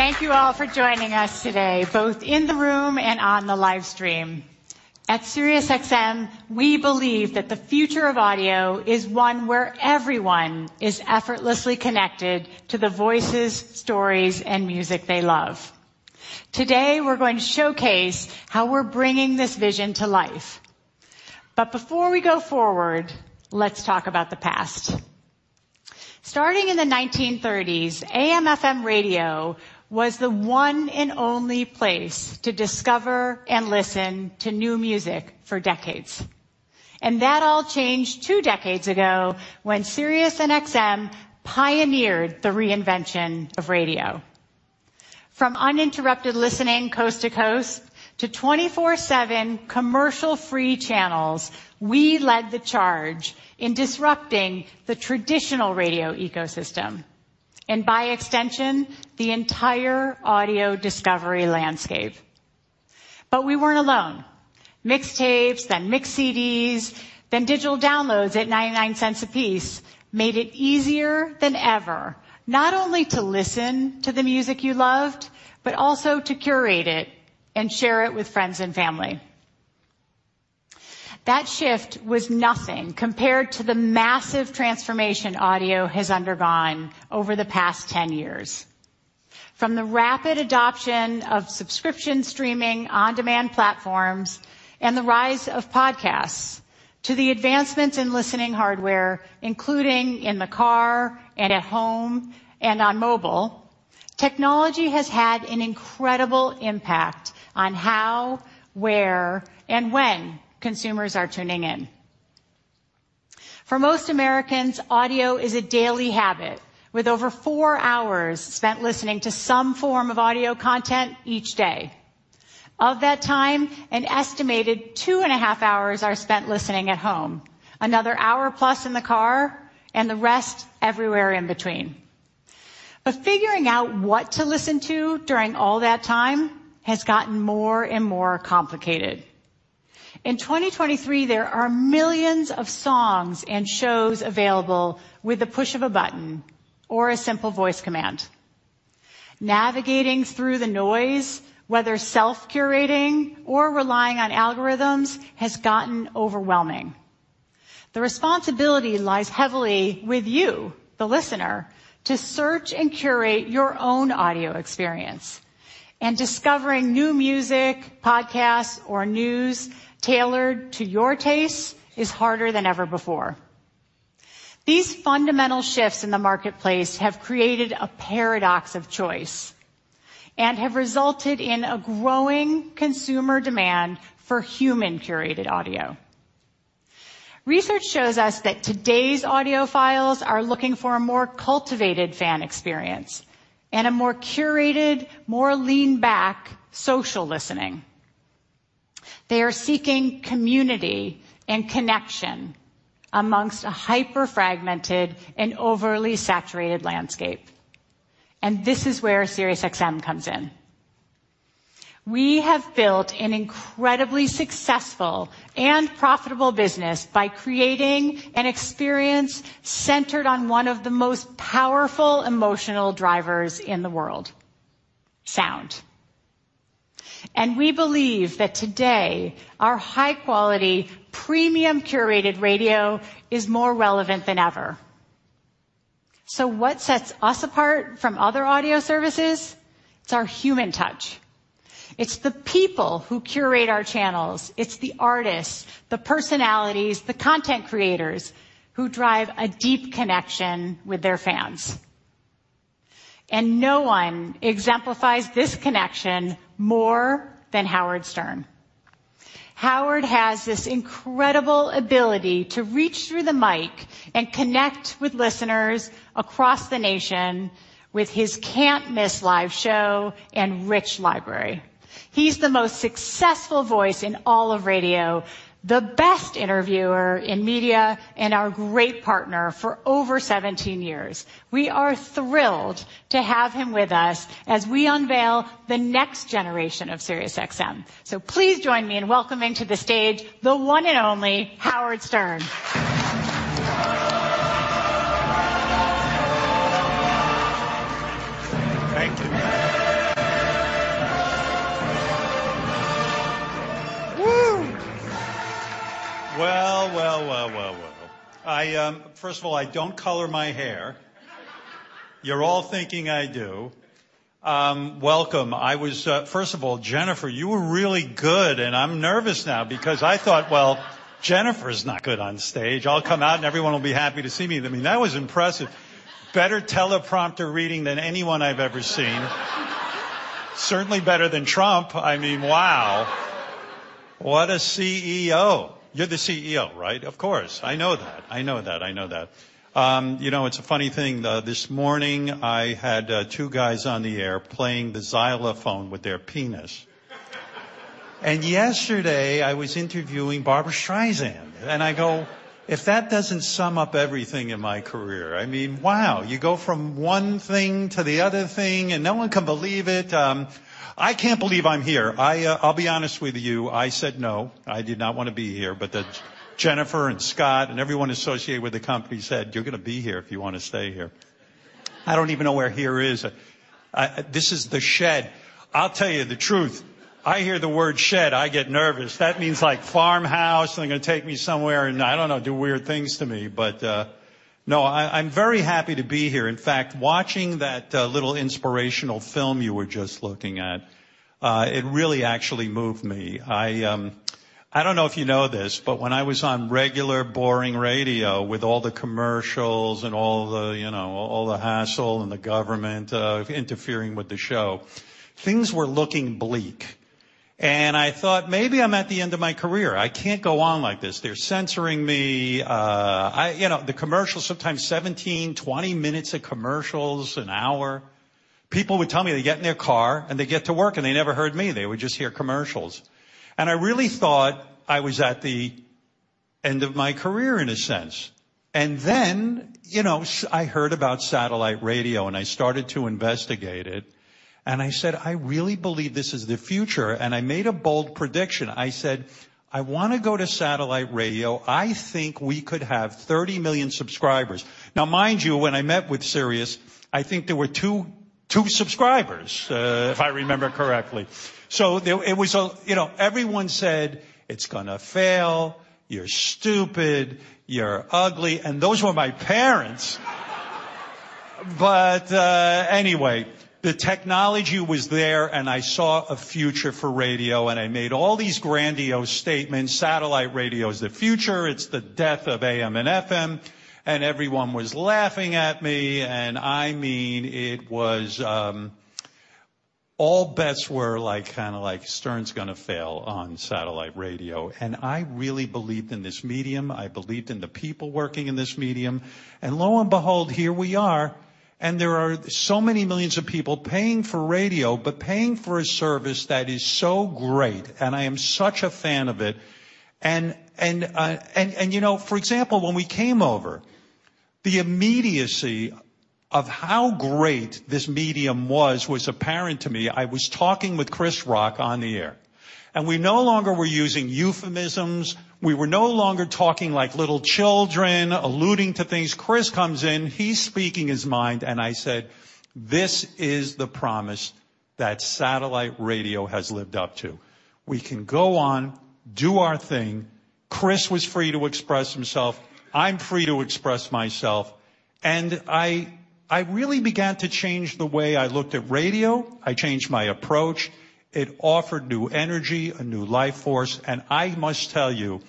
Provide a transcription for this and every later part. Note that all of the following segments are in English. Thank you all for joining us today, both in the room and on the live stream. At SiriusXM, we believe that the future of audio is one where everyone is effortlessly connected to the voices, stories, and music they love. Today, we're going to showcase how we're bringing this vision to life. But before we go forward, let's talk about the past. Starting in the 1930s, AM/FM radio was the one and only place to discover and listen to new music for decades, and that all changed two decades ago when Sirius and XM pioneered the reinvention of radio. From uninterrupted listening coast to coast to 24/7 commercial-free channels, we led the charge in disrupting the traditional radio ecosystem and, by extension, the entire audio discovery landscape. But we weren't alone. Mixtapes, then mixed CDs, then digital downloads at $0.99 apiece, made it easier than ever, not only to listen to the music you loved, but also to curate it and share it with friends and family. That shift was nothing compared to the massive transformation audio has undergone over the past 10 years. From the rapid adoption of subscription streaming, on-demand platforms, and the rise of podcasts, to the advancements in listening hardware, including in the car and at home and on mobile, technology has had an incredible impact on how, where, and when consumers are tuning in. For most Americans, audio is a daily habit, with over four hours spent listening to some form of audio content each day. Of that time, an estimated 2.5 hours are spent listening at home, another hour plus in the car, and the rest everywhere in between. But figuring out what to listen to during all that time has gotten more and more complicated. In 2023, there are millions of songs and shows available with the push of a button or a simple voice command. Navigating through the noise, whether self-curating or relying on algorithms, has gotten overwhelming. The responsibility lies heavily with you, the listener, to search and curate your own audio experience, and discovering new music, podcasts, or news tailored to your taste is harder than ever before. These fundamental shifts in the marketplace have created a paradox of choice and have resulted in a growing consumer demand for human-curated audio. Research shows us that today's audiophiles are looking for a more cultivated fan experience and a more curated, more lean back social listening. They are seeking community and connection among a hyper fragmented and overly saturated landscape, and this is where SiriusXM comes in. We have built an incredibly successful and profitable business by creating an experience centered on one of the most powerful emotional drivers in the world: sound. We believe that today, our high-quality, premium, curated radio is more relevant than ever. So what sets us apart from other audio services? It's our human touch. It's the people who curate our channels. It's the artists, the personalities, the content creators, who drive a deep connection with their fans. No one exemplifies this connection more than Howard Stern. Howard has this incredible ability to reach through the mic and connect with listeners across the nation with his can't-miss live show and rich library. He's the most successful voice in all of radio, the best interviewer in media, and our great partner for over 17 years. We are thrilled to have him with us as we unveil the next generation of SiriusXM. Please join me in welcoming to the stage, the one and only Howard Stern. Thank you. Woo! Well, well, well, well, well. I... First of all, I don't color my hair. You're all thinking I do. Welcome. I was... First of all, Jennifer, you were really good, and I'm nervous now because I thought, "Well, Jennifer's not good on stage. I'll come out, and everyone will be happy to see me." I mean, that was impressive. Better teleprompter reading than anyone I've ever seen. Certainly better than Trump. I mean, wow! What a CEO. You're the CEO, right? Of course, I know that. I know that, I know that. You know, it's a funny thing, though. This morning, I had two guys on the air playing the xylophone with their penis. Yesterday, I was interviewing Barbra Streisand, and I go, "If that doesn't sum up everything in my career," I mean, wow, you go from one thing to the other thing, and no one can believe it. I can't believe I'm here. I'll be honest with you, I said no. I did not want to be here, but Jennifer and Scott, and everyone associated with the company said, "You're gonna be here if you wanna stay here." I don't even know where here is. This is the Shed. I'll tell you the truth, I hear the word shed, I get nervous. That means, like, farmhouse, and they're gonna take me somewhere, and, I don't know, do weird things to me. But no, I, I'm very happy to be here. In fact, watching that, little inspirational film you were just looking at, it really actually moved me. I don't know if you know this, but when I was on regular, boring radio with all the commercials and all the, you know, all the hassle and the government, interfering with the show, things were looking bleak. And I thought, "Maybe I'm at the end of my career. I can't go on like this. They're censoring me." You know, the commercials, sometimes 17-20 minutes of commercials an hour. People would tell me they get in their car, and they get to work, and they never heard me. They would just hear commercials. And I really thought I was at the end of my career, in a sense. And then, you know, I heard about satellite radio, and I started to investigate it, and I said, "I really believe this is the future." And I made a bold prediction. I said, "I wanna go to satellite radio. I think we could have 30 million subscribers." Now, mind you, when I met with Sirius, I think there were two, two subscribers, if I remember correctly. So it was a... You know, everyone said, "It's gonna fail. You're stupid. You're ugly," and those were my parents. But anyway, the technology was there, and I saw a future for radio, and I made all these grandiose statements: "Satellite radio is the future. It's the death of AM and FM." And everyone was laughing at me, and I mean, it was... All bets were like, kinda like, "Stern's gonna fail on satellite radio." And I really believed in this medium. I believed in the people working in this medium. And lo and behold, here we are, and there are so many millions of people paying for radio, but paying for a service that is so great, and I am such a fan of it. And, and, and, and, you know, for example, when we came over, the immediacy of how great this medium was, was apparent to me. I was talking with Chris Rock on the air, and we no longer were using euphemisms. We were no longer talking like little children, alluding to things. Chris comes in, he's speaking his mind, and I said, "This is the promise that satellite radio has lived up to. We can go on, do our thing." Chris was free to express himself. I'm free to express myself, and I really began to change the way I looked at radio. I changed my approach. It offered new energy, a new life force, and I must tell you,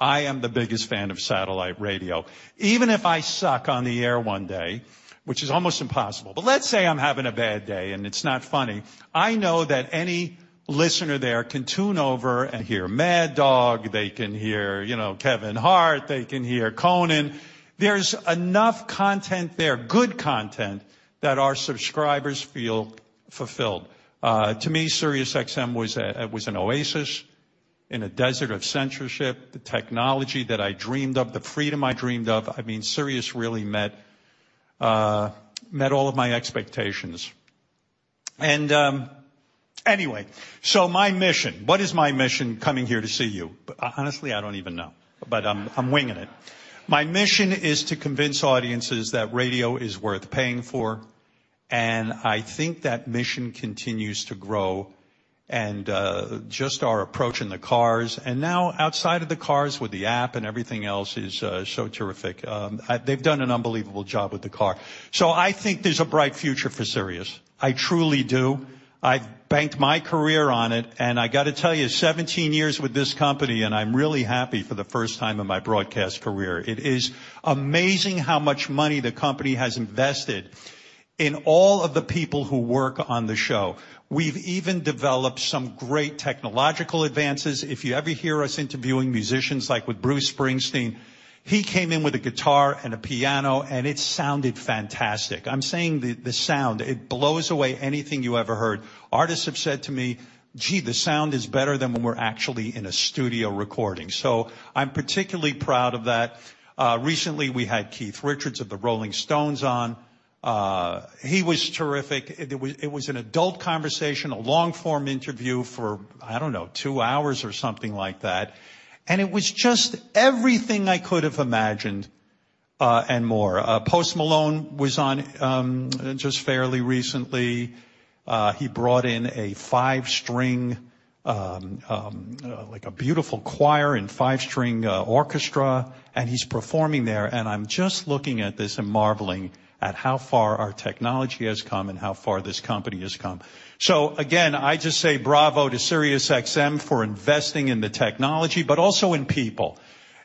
I am the biggest fan of satellite radio. Even if I suck on the air one day, which is almost impossible, but let's say I'm having a bad day, and it's not funny, I know that any listener there can tune over and hear Mad Dog. They can hear, you know, Kevin Hart. They can hear Conan. There's enough content there, good content, that our subscribers feel fulfilled. To me, SiriusXM was a, it was an oasis in a desert of censorship, the technology that I dreamed of, the freedom I dreamed of. I mean, Sirius really met, met all of my expectations. And, anyway, so my mission. What is my mission coming here to see you? Honestly, I don't even know, but I'm winging it. My mission is to convince audiences that radio is worth paying for, and I think that mission continues to grow, and just our approach in the cars and now outside of the cars with the app and everything else is so terrific. They've done an unbelievable job with the car. So I think there's a bright future for Sirius. I truly do. I've banked my career on it, and I got to tell you, 17 years with this company, and I'm really happy for the first time in my broadcast career. It is amazing how much money the company has invested in all of the people who work on the show. We've even developed some great technological advances. If you ever hear us interviewing musicians, like with Bruce Springsteen, he came in with a guitar and a piano, and it sounded fantastic. I'm saying the sound, it blows away anything you ever heard. Artists have said to me, "Gee, the sound is better than when we're actually in a studio recording." So I'm particularly proud of that. Recently, we had Keith Richards of the Rolling Stones on. He was terrific. It was an adult conversation, a long-form interview for, I don't know, two hours or something like that, and it was just everything I could have imagined, and more. Post Malone was on, just fairly recently. He brought in a five-string, like a beautiful choir and five-string, orchestra, and he's performing there, and I'm just looking at this and marveling at how far our technology has come and how far this company has come. So again, I just say bravo to SiriusXM for investing in the technology, but also in people.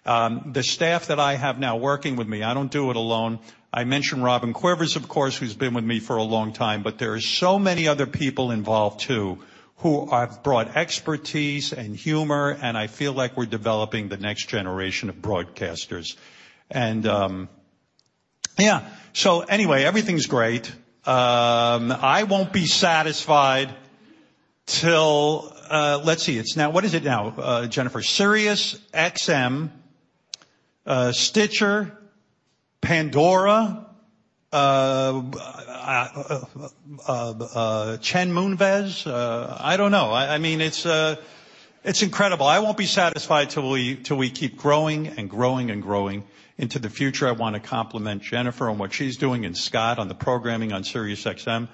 The staff that I have now working with me, I don't do it alone. I mentioned Robin Quivers, of course, who's been with me for a long time, but there are so many other people involved, too, who have brought expertise and humor, and I feel like we're developing the next generation of broadcasters. Yeah, so anyway, everything's great. I won't be satisfied till... Let's see, it's now— What is it now, Jennifer? SiriusXM, Stitcher-... Pandora, Chen Moonves, I don't know. I mean, it's incredible. I won't be satisfied till we keep growing and growing and growing into the future. I wanna compliment Jennifer on what she's doing, and Scott on the programming on SiriusXM.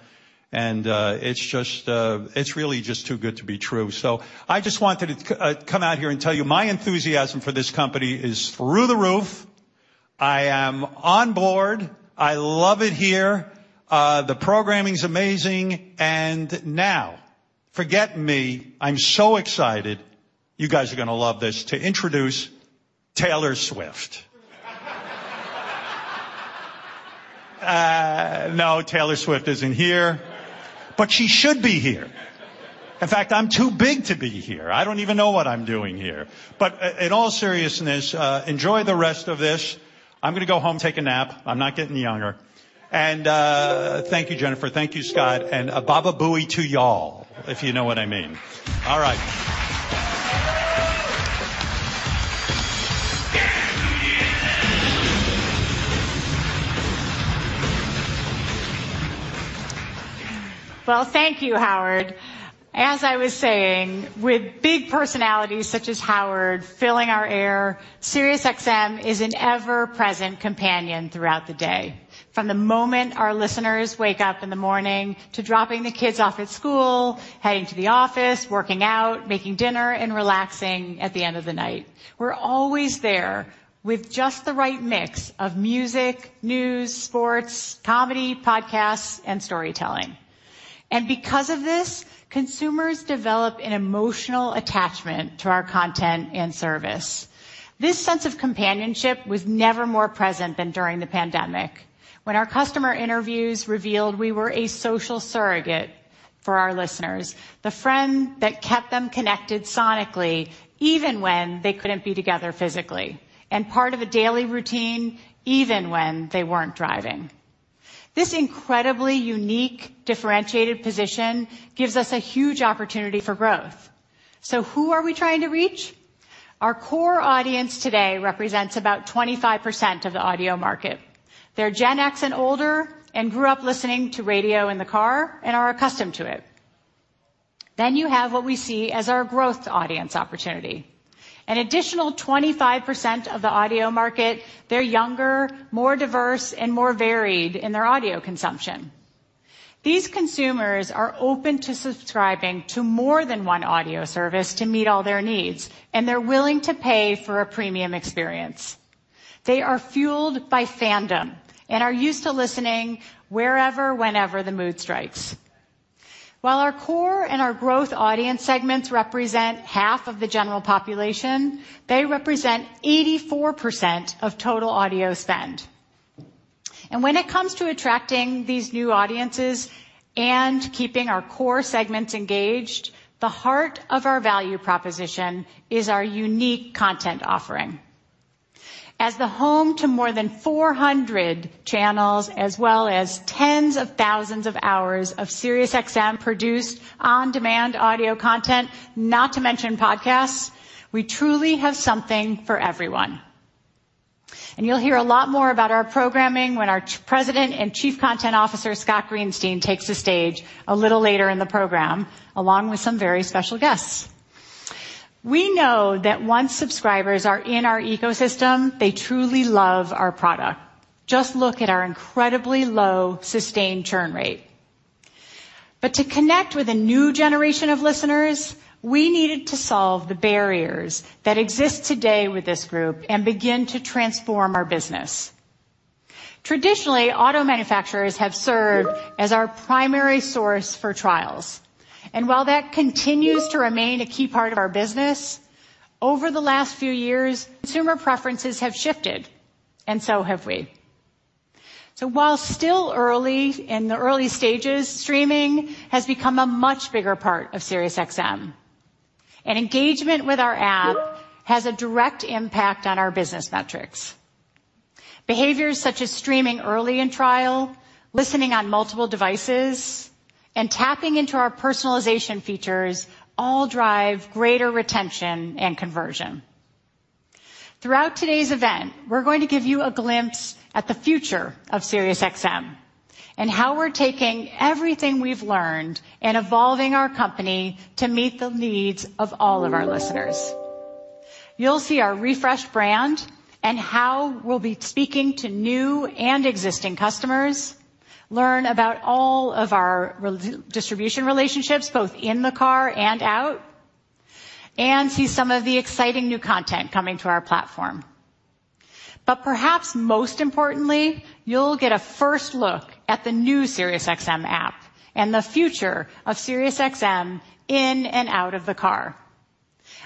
And it's just, it's really just too good to be true. So I just wanted to come out here and tell you my enthusiasm for this company is through the roof. I am on board. I love it here. The programming's amazing, and now, forget me, I'm so excited, you guys are gonna love this, to introduce Taylor Swift. No, Taylor Swift isn't here, but she should be here. In fact, I'm too big to be here. I don't even know what I'm doing here. But in all seriousness, enjoy the rest of this. I'm gonna go home, take a nap. I'm not getting younger. And thank you, Jennifer. Thank you, Scott, and a Baba Booey to y'all, if you know what I mean. All right. Well, thank you, Howard. As I was saying, with big personalities such as Howard filling our air, SiriusXM is an ever-present companion throughout the day. From the moment our listeners wake up in the morning to dropping the kids off at school, heading to the office, working out, making dinner, and relaxing at the end of the night. We're always there with just the right mix of music, news, sports, comedy, podcasts, and storytelling. And because of this, consumers develop an emotional attachment to our content and service. This sense of companionship was never more present than during the pandemic, when our customer interviews revealed we were a social surrogate for our listeners, the friend that kept them connected sonically even when they couldn't be together physically, and part of a daily routine, even when they weren't driving. This incredibly unique, differentiated position gives us a huge opportunity for growth. So who are we trying to reach? Our core audience today represents about 25% of the audio market. They're Gen X and older and grew up listening to radio in the car and are accustomed to it. Then you have what we see as our growth audience opportunity. An additional 25% of the audio market, they're younger, more diverse, and more varied in their audio consumption. These consumers are open to subscribing to more than one audio service to meet all their needs, and they're willing to pay for a premium experience. They are fueled by fandom and are used to listening wherever, whenever the mood strikes. While our core and our growth audience segments represent half of the general population, they represent 84% of total audio spend. When it comes to attracting these new audiences and keeping our core segments engaged, the heart of our value proposition is our unique content offering. As the home to more than 400 channels, as well as tens of thousands of hours of SiriusXM-produced on-demand audio content, not to mention podcasts, we truly have something for everyone. You'll hear a lot more about our programming when our President and Chief Content Officer, Scott Greenstein, takes the stage a little later in the program, along with some very special guests. We know that once subscribers are in our ecosystem, they truly love our product. Just look at our incredibly low sustained churn rate. But to connect with a new generation of listeners, we needed to solve the barriers that exist today with this group and begin to transform our business. Traditionally, auto manufacturers have served as our primary source for trials, and while that continues to remain a key part of our business, over the last few years, consumer preferences have shifted, and so have we. So while still early, in the early stages, streaming has become a much bigger part of SiriusXM, and engagement with our app has a direct impact on our business metrics. Behaviors such as streaming early in trial, listening on multiple devices, and tapping into our personalization features all drive greater retention and conversion. Throughout today's event, we're going to give you a glimpse at the future of SiriusXM and how we're taking everything we've learned and evolving our company to meet the needs of all of our listeners. You'll see our refreshed brand and how we'll be speaking to new and existing customers, learn about all of our rel... distribution relationships, both in the car and out, and see some of the exciting new content coming to our platform. But perhaps most importantly, you'll get a first look at the new SiriusXM app and the future of SiriusXM in and out of the car.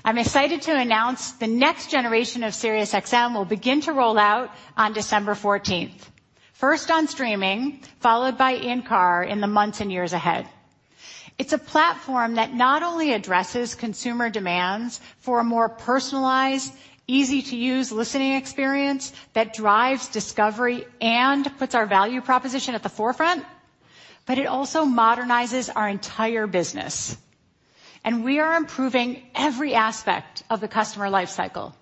I'm excited to announce the next generation of SiriusXM will begin to roll out on December 14th, first on streaming, followed by in-car in the months and years ahead. It's a platform that not only addresses consumer demands for a more personalized, easy-to-use listening experience that drives discovery and puts our value proposition at the forefront, but it also modernizes our entire business... and we are improving every aspect of the customer life cycle,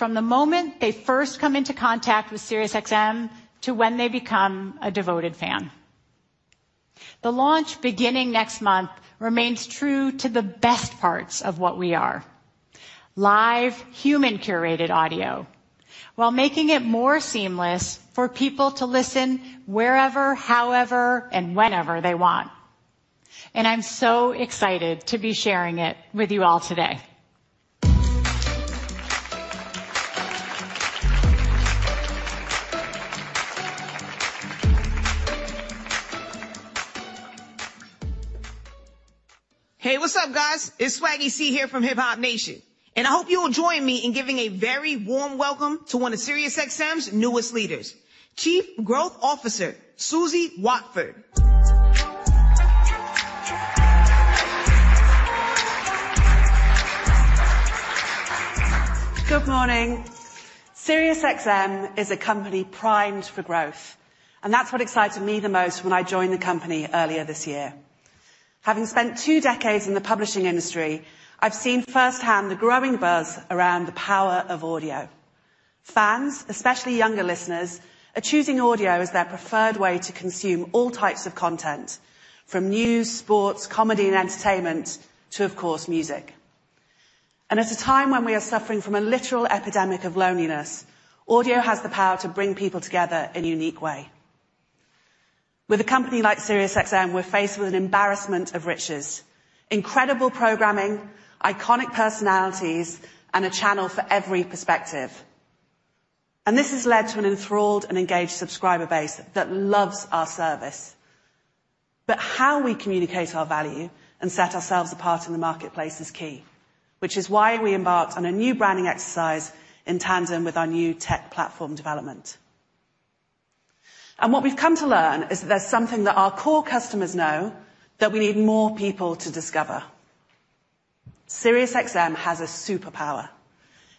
from the moment they first come into contact with SiriusXM to when they become a devoted fan. The launch beginning next month remains true to the best parts of what we are: live, human-curated audio, while making it more seamless for people to listen wherever, however, and whenever they want. I'm so excited to be sharing it with you all today. Hey, what's up, guys? It's Swaggy Sie here from Hip Hop Nation, and I hope you will join me in giving a very warm welcome to one of SiriusXM's newest leaders, Chief Growth Officer, Suzi Watford. Good morning. SiriusXM is a company primed for growth, and that's what excited me the most when I joined the company earlier this year. Having spent two decades in the publishing industry, I've seen firsthand the growing buzz around the power of audio. Fans, especially younger listeners, are choosing audio as their preferred way to consume all types of content, from news, sports, comedy, and entertainment to, of course, music. At a time when we are suffering from a literal epidemic of loneliness, audio has the power to bring people together in a unique way. With a company like SiriusXM, we're faced with an embarrassment of riches, incredible programming, iconic personalities, and a channel for every perspective. This has led to an enthralled and engaged subscriber base that loves our service. How we communicate our value and set ourselves apart in the marketplace is key, which is why we embarked on a new branding exercise in tandem with our new tech platform development. What we've come to learn is that there's something that our core customers know, that we need more people to discover. SiriusXM has a superpower.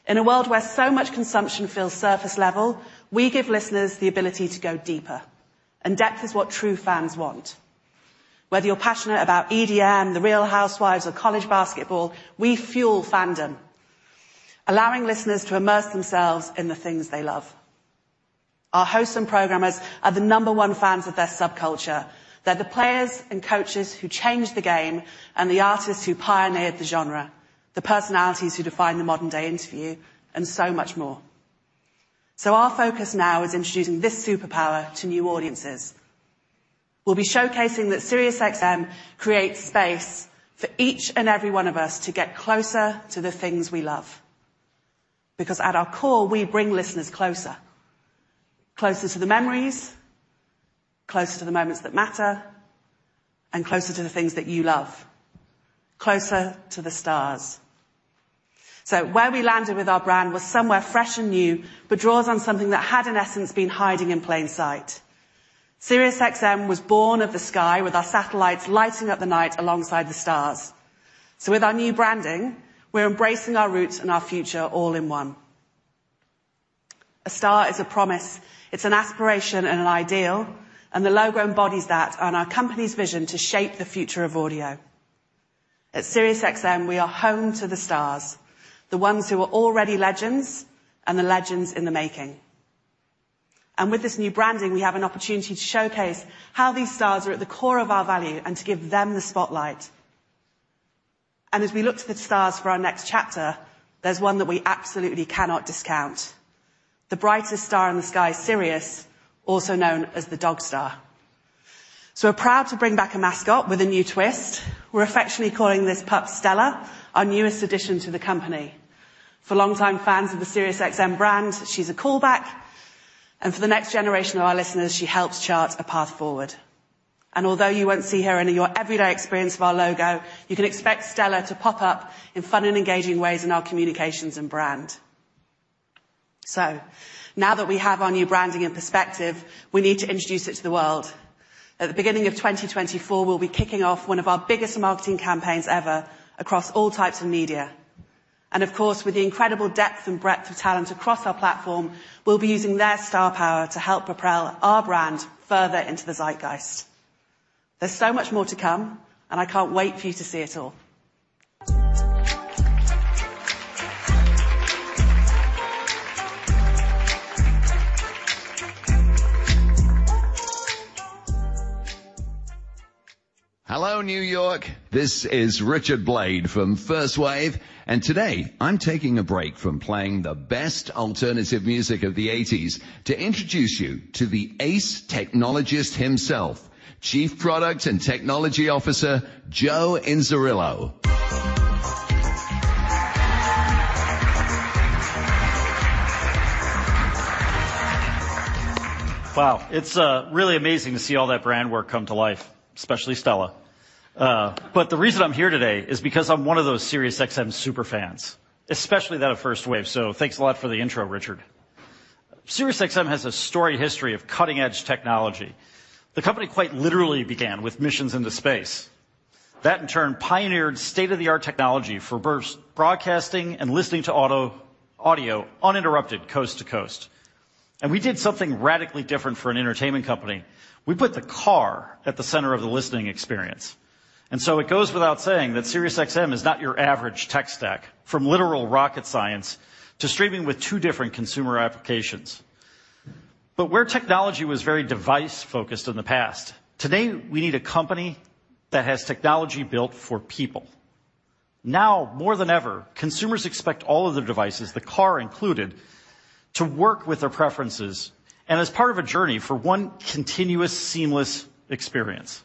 In a world where so much consumption feels surface level, we give listeners the ability to go deeper, and depth is what true fans want. Whether you're passionate about EDM, The Real Housewives, or college basketball, we fuel fandom, allowing listeners to immerse themselves in the things they love. Our hosts and programmers are the number one fans of their subculture. They're the players and coaches who changed the game and the artists who pioneered the genre, the personalities who define the modern-day interview, and so much more. So our focus now is introducing this superpower to new audiences. We'll be showcasing that SiriusXM creates space for each and every one of us to get closer to the things we love. Because at our core, we bring listeners closer, closer to the memories, closer to the moments that matter, and closer to the things that you love. Closer to the stars. So where we landed with our brand was somewhere fresh and new, but draws on something that had, in essence, been hiding in plain sight. SiriusXM was born of the sky, with our satellites lighting up the night alongside the stars. So with our new branding, we're embracing our roots and our future all in one. A star is a promise. It's an aspiration and an ideal, and the logo embodies that and our company's vision to shape the future of audio. At SiriusXM, we are home to the stars, the ones who are already legends and the legends in the making. With this new branding, we have an opportunity to showcase how these stars are at the core of our value and to give them the spotlight. As we look to the stars for our next chapter, there's one that we absolutely cannot discount. The brightest star in the sky is Sirius, also known as the Dog Star. So we're proud to bring back a mascot with a new twist. We're affectionately calling this pup Stella, our newest addition to the company. For longtime fans of the SiriusXM brand, she's a callback, and for the next generation of our listeners, she helps chart a path forward. Although you won't see her in your everyday experience of our logo, you can expect Stella to pop up in fun and engaging ways in our communications and brand. So now that we have our new branding in perspective, we need to introduce it to the world. At the beginning of 2024, we'll be kicking off one of our biggest marketing campaigns ever across all types of media. And of course, with the incredible depth and breadth of talent across our platform, we'll be using their star power to help propel our brand further into the zeitgeist. There's so much more to come, and I can't wait for you to see it all. Hello, New York. This is Richard Blade from First Wave, and today, I'm taking a break from playing the best alternative music of the eighties to introduce you to the ace technologist himself, Chief Product and Technology Officer, Joe Inzerillo. Wow! It's really amazing to see all that brand work come to life, especially Stella. But the reason I'm here today is because I'm one of those SiriusXM super fans, especially that of First Wave. So thanks a lot for the intro, Richard. SiriusXM has a storied history of cutting-edge technology. The company quite literally began with missions into space. That, in turn, pioneered state-of-the-art technology for burst broadcasting and listening to our audio uninterrupted, coast to coast. And we did something radically different for an entertainment company. We put the car at the center of the listening experience. And so it goes without saying that SiriusXM is not your average tech stack, from literal rocket science to streaming with two different consumer applications. But where technology was very device-focused in the past, today, we need a company that has technology built for people. Now, more than ever, consumers expect all of their devices, the car included, to work with their preferences and as part of a journey for one continuous, seamless experience.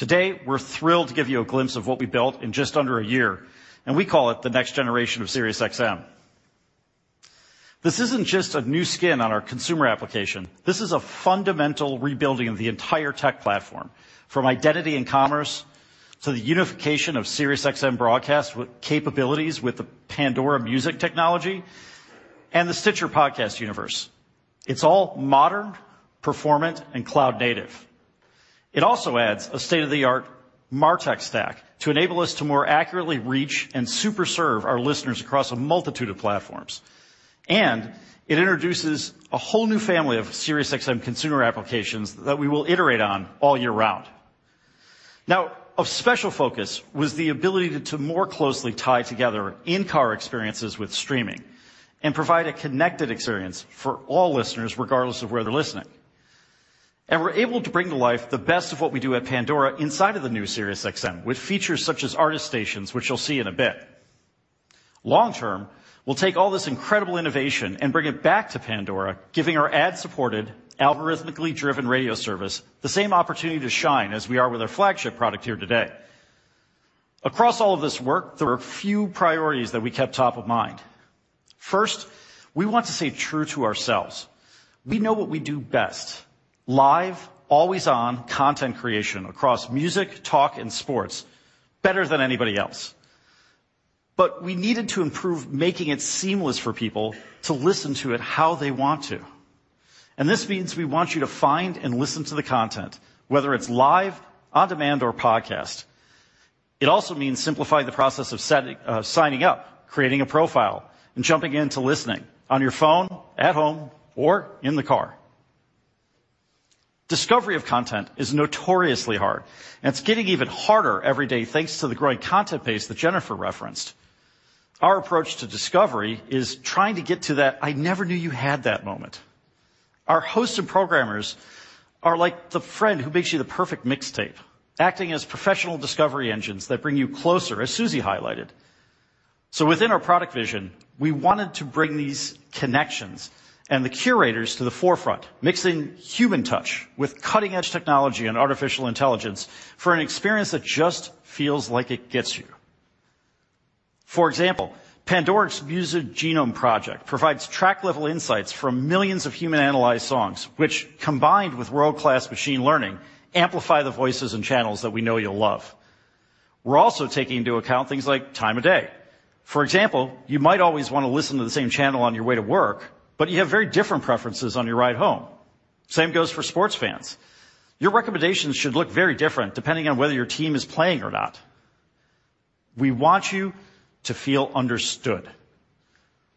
Today, we're thrilled to give you a glimpse of what we built in just under a year, and we call it the next generation of SiriusXM. This isn't just a new skin on our consumer application. This is a fundamental rebuilding of the entire tech platform, from identity and commerce to the unification of SiriusXM broadcast with capabilities with the Pandora music technology and the Stitcher podcast universe. It's all modern, performant, and cloud native. It also adds a state-of-the-art MarTech stack to enable us to more accurately reach and super serve our listeners across a multitude of platforms. And it introduces a whole new family of SiriusXM consumer applications that we will iterate on all year round. Now, of special focus was the ability to more closely tie together in-car experiences with streaming and provide a connected experience for all listeners, regardless of where they're listening. We're able to bring to life the best of what we do at Pandora inside of the new SiriusXM, with features such as artist stations, which you'll see in a bit. Long-term, we'll take all this incredible innovation and bring it back to Pandora, giving our ad-supported, algorithmically driven radio service the same opportunity to shine as we are with our flagship product here today. Across all of this work, there are a few priorities that we kept top of mind. First, we want to stay true to ourselves. We know what we do best: live, always-on content creation across music, talk, and sports better than anybody else. But we needed to improve, making it seamless for people to listen to it how they want to. And this means we want you to find and listen to the content, whether it's live, on-demand, or podcast. It also means simplifying the process of signing up, creating a profile, and jumping into listening on your phone, at home, or in the car. Discovery of content is notoriously hard, and it's getting even harder every day, thanks to the growing content base that Jennifer referenced. Our approach to discovery is trying to get to that, "I never knew you had that" moment. Our hosts and programmers are like the friend who makes you the perfect mixtape, acting as professional discovery engines that bring you closer, as Susie highlighted. So within our product vision, we wanted to bring these connections and the curators to the forefront, mixing human touch with cutting-edge technology and artificial intelligence for an experience that just feels like it gets you. For example, Pandora's Music Genome Project provides track-level insights from millions of human-analyzed songs, which, combined with world-class machine learning, amplify the voices and channels that we know you'll love. We're also taking into account things like time of day. For example, you might always want to listen to the same channel on your way to work, but you have very different preferences on your ride home. Same goes for sports fans. Your recommendations should look very different depending on whether your team is playing or not. We want you to feel understood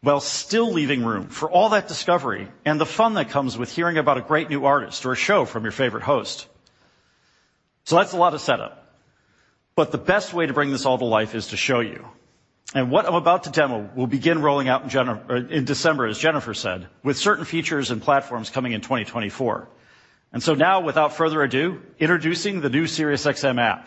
while still leaving room for all that discovery and the fun that comes with hearing about a great new artist or a show from your favorite host. That's a lot of setup, but the best way to bring this all to life is to show you. What I'm about to demo will begin rolling out in January, or in December, as Jennifer said, with certain features and platforms coming in 2024. Now, without further ado, introducing the new SiriusXM app.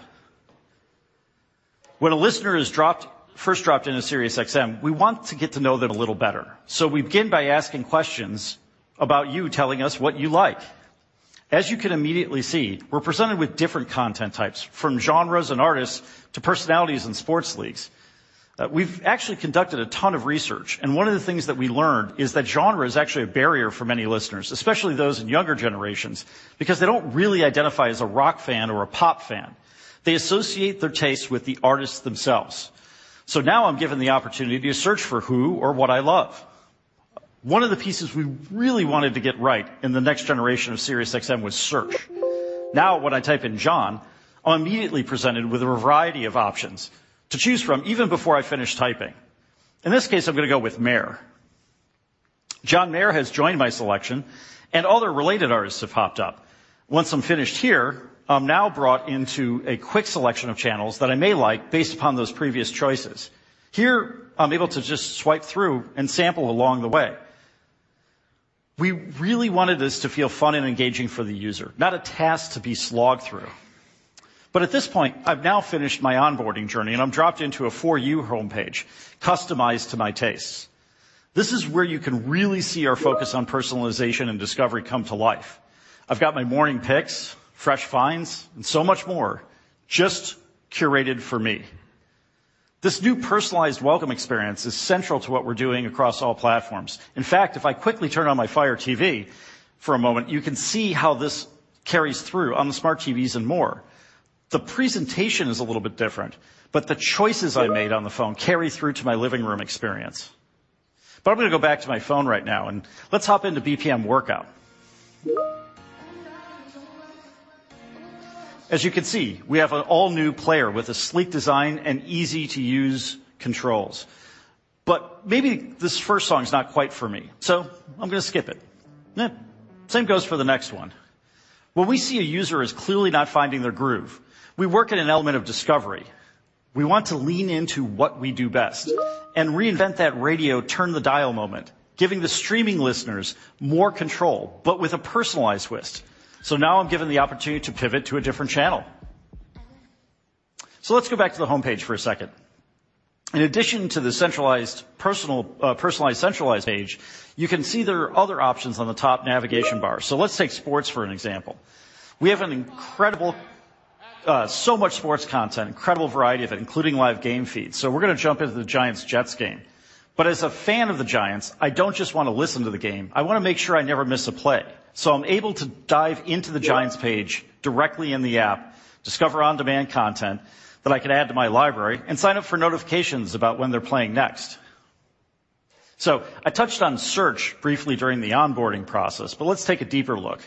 When a listener is dropped, first dropped into SiriusXM, we want to get to know them a little better. So we begin by asking questions about you telling us what you like. As you can immediately see, we're presented with different content types, from genres and artists to personalities and sports leagues. We've actually conducted a ton of research, and one of the things that we learned is that genre is actually a barrier for many listeners, especially those in younger generations, because they don't really identify as a rock fan or a pop fan. They associate their tastes with the artists themselves. So now I'm given the opportunity to search for who or what I love. One of the pieces we really wanted to get right in the next generation of SiriusXM was search. Now, when I type in John, I'm immediately presented with a variety of options to choose from, even before I finish typing. In this case, I'm gonna go with Mayer. John Mayer has joined my selection, and other related artists have popped up. Once I'm finished here, I'm now brought into a quick selection of channels that I may like based upon those previous choices. Here, I'm able to just swipe through and sample along the way. We really wanted this to feel fun and engaging for the user, not a task to be slogged through. But at this point, I've now finished my onboarding journey, and I'm dropped into a for you homepage customized to my tastes. This is where you can really see our focus on personalization and discovery come to life. I've got my morning picks, fresh finds, and so much more just curated for me. This new personalized welcome experience is central to what we're doing across all platforms. In fact, if I quickly turn on my Fire TV for a moment, you can see how this carries through on the smart TVs and more. The presentation is a little bit different, but the choices I made on the phone carry through to my living room experience. But I'm gonna go back to my phone right now, and let's hop into BPM Workout. As you can see, we have an all-new player with a sleek design and easy-to-use controls. But maybe this first song is not quite for me, so I'm gonna skip it. Eh, same goes for the next one. When we see a user is clearly not finding their groove, we work in an element of discovery. We want to lean into what we do best and reinvent that radio turn the dial moment, giving the streaming listeners more control, but with a personalized twist. So now I'm given the opportunity to pivot to a different channel. So let's go back to the homepage for a second. In addition to the centralized personal, personalized, centralized page, you can see there are other options on the top navigation bar. So let's take sports for an example. We have an incredible, so much sports content, incredible variety of it, including live game feeds. So we're gonna jump into the Giants-Jets game. But as a fan of the Giants, I don't just wanna listen to the game, I wanna make sure I never miss a play. So I'm able to dive into the Giants page directly in the app, discover on-demand content that I can add to my library, and sign up for notifications about when they're playing next. So I touched on search briefly during the onboarding process, but let's take a deeper look.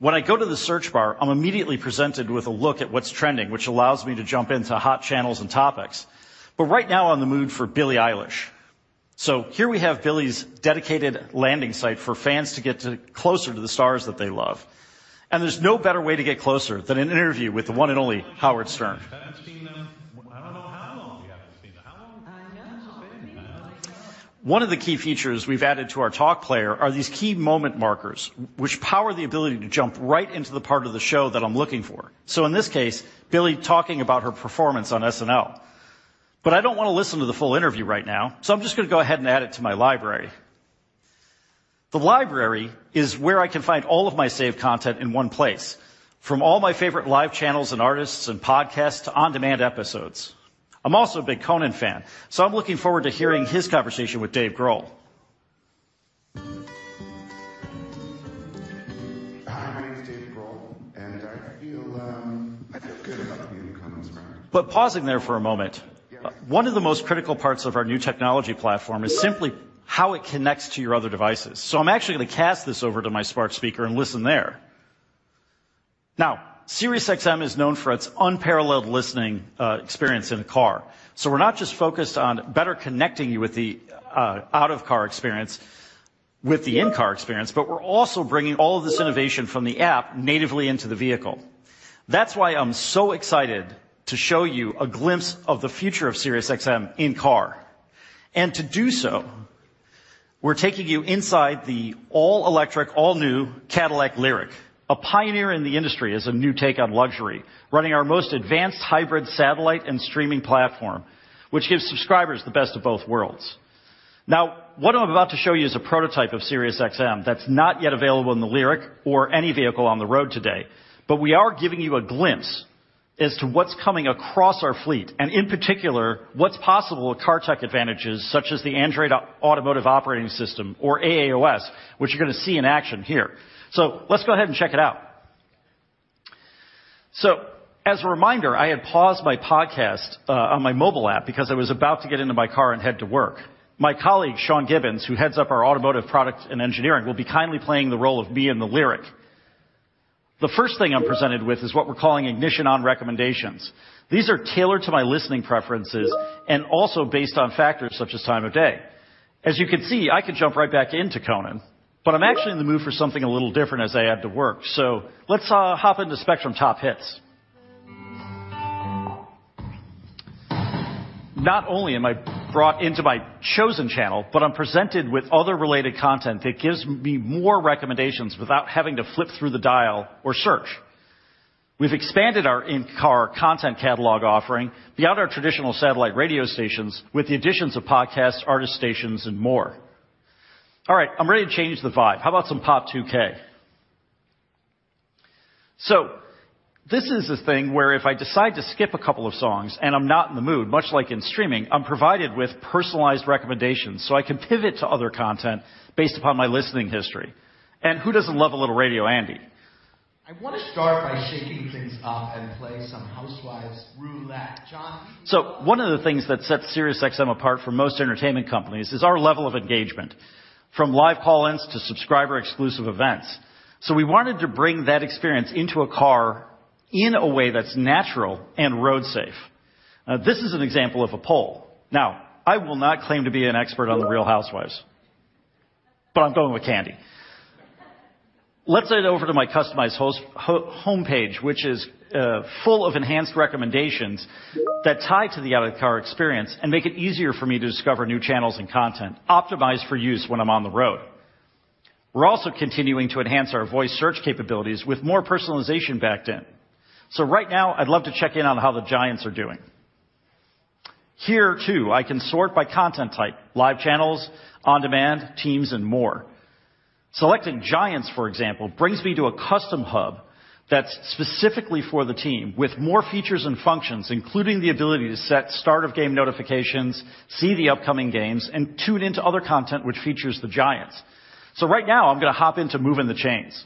When I go to the search bar, I'm immediately presented with a look at what's trending, which allows me to jump into hot channels and topics. But right now, I'm in the mood for Billie Eilish. Here we have Billie's dedicated landing site for fans to get to closer to the stars that they love, and there's no better way to get closer than an interview with the one and only Howard Stern.... I haven't seen them. I don't know how long we haven't seen them. How long- I know. It's been, man. One of the key features we've added to our talk player are these key moment markers, which power the ability to jump right into the part of the show that I'm looking for. So in this case, Billie talking about her performance on SNL. But I don't wanna listen to the full interview right now, so I'm just gonna go ahead and add it to my library. The library is where I can find all of my saved content in one place, from all my favorite live channels and artists and podcasts to on-demand episodes. I'm also a big Conan fan, so I'm looking forward to hearing his conversation with Dave Grohl. Hi, my name is Dave Grohl, and I feel, I feel good about being in Conan's band. But pausing there for a moment, one of the most critical parts of our new technology platform is simply how it connects to your other devices. So I'm actually gonna cast this over to my smart speaker and listen there. Now, SiriusXM is known for its unparalleled listening experience in the car. So we're not just focused on better connecting you with the out-of-car experience with the in-car experience, but we're also bringing all of this innovation from the app natively into the vehicle. That's why I'm so excited to show you a glimpse of the future of SiriusXM in-car. And to do so, we're taking you inside the all-electric, all-new Cadillac LYRIQ, a pioneer in the industry as a new take on Luxxury, running our most advanced hybrid satellite and streaming platform, which gives subscribers the best of both worlds. Now, what I'm about to show you is a prototype of SiriusXM that's not yet available in the LYRIQ or any vehicle on the road today. But we are giving you a glimpse as to what's coming across our fleet and, in particular, what's possible with car tech advantages such as the Android Automotive Operating System or AAOS, which you're gonna see in action here. So let's go ahead and check it out. So as a reminder, I had paused my podcast on my mobile app because I was about to get into my car and head to work. My colleague, Sean Gibbons, who heads up our automotive product and engineering, will be kindly playing the role of me in the LYRIQ. The first thing I'm presented with is what we're calling ignition on recommendations. These are tailored to my listening preferences and also based on factors such as time of day. As you can see, I can jump right back into Conan, but I'm actually in the mood for something a little different as I head to work. So let's hop into Spectrum Top Hits. Not only am I brought into my chosen channel, but I'm presented with other related content that gives me more recommendations without having to flip through the dial or search. We've expanded our in-car content catalog offering beyond our traditional satellite radio stations with the additions of podcasts, artist stations, and more. All right, I'm ready to change the vibe. How about some Pop 2K? So this is a thing where if I decide to skip a couple of songs and I'm not in the mood, much like in streaming, I'm provided with personalized recommendations, so I can pivot to other content based upon my listening history. And who doesn't love a little Radio Andy? I want to start by shaking things up and play some Housewives Roulette. John- So one of the things that sets SiriusXM apart from most entertainment companies is our level of engagement, from live call-ins to subscriber-exclusive events. So we wanted to bring that experience into a car in a way that's natural and road-safe. This is an example of a poll. Now, I will not claim to be an expert on The Real Housewives, but I'm going with Kandi. Let's head over to my customized homepage, which is full of enhanced recommendations that tie to the out-of-car experience and make it easier for me to discover new channels and content optimized for use when I'm on the road. We're also continuing to enhance our voice search capabilities with more personalization backed in. So right now, I'd love to check in on how the Giants are doing. Here, too, I can sort by content type: live channels, on-demand, teams, and more. Selecting Giants, for example, brings me to a custom hub that's specifically for the team, with more features and functions, including the ability to set start-of-game notifications, see the upcoming games, and tune into other content which features the Giants. So right now, I'm gonna hop into Moving the Chains....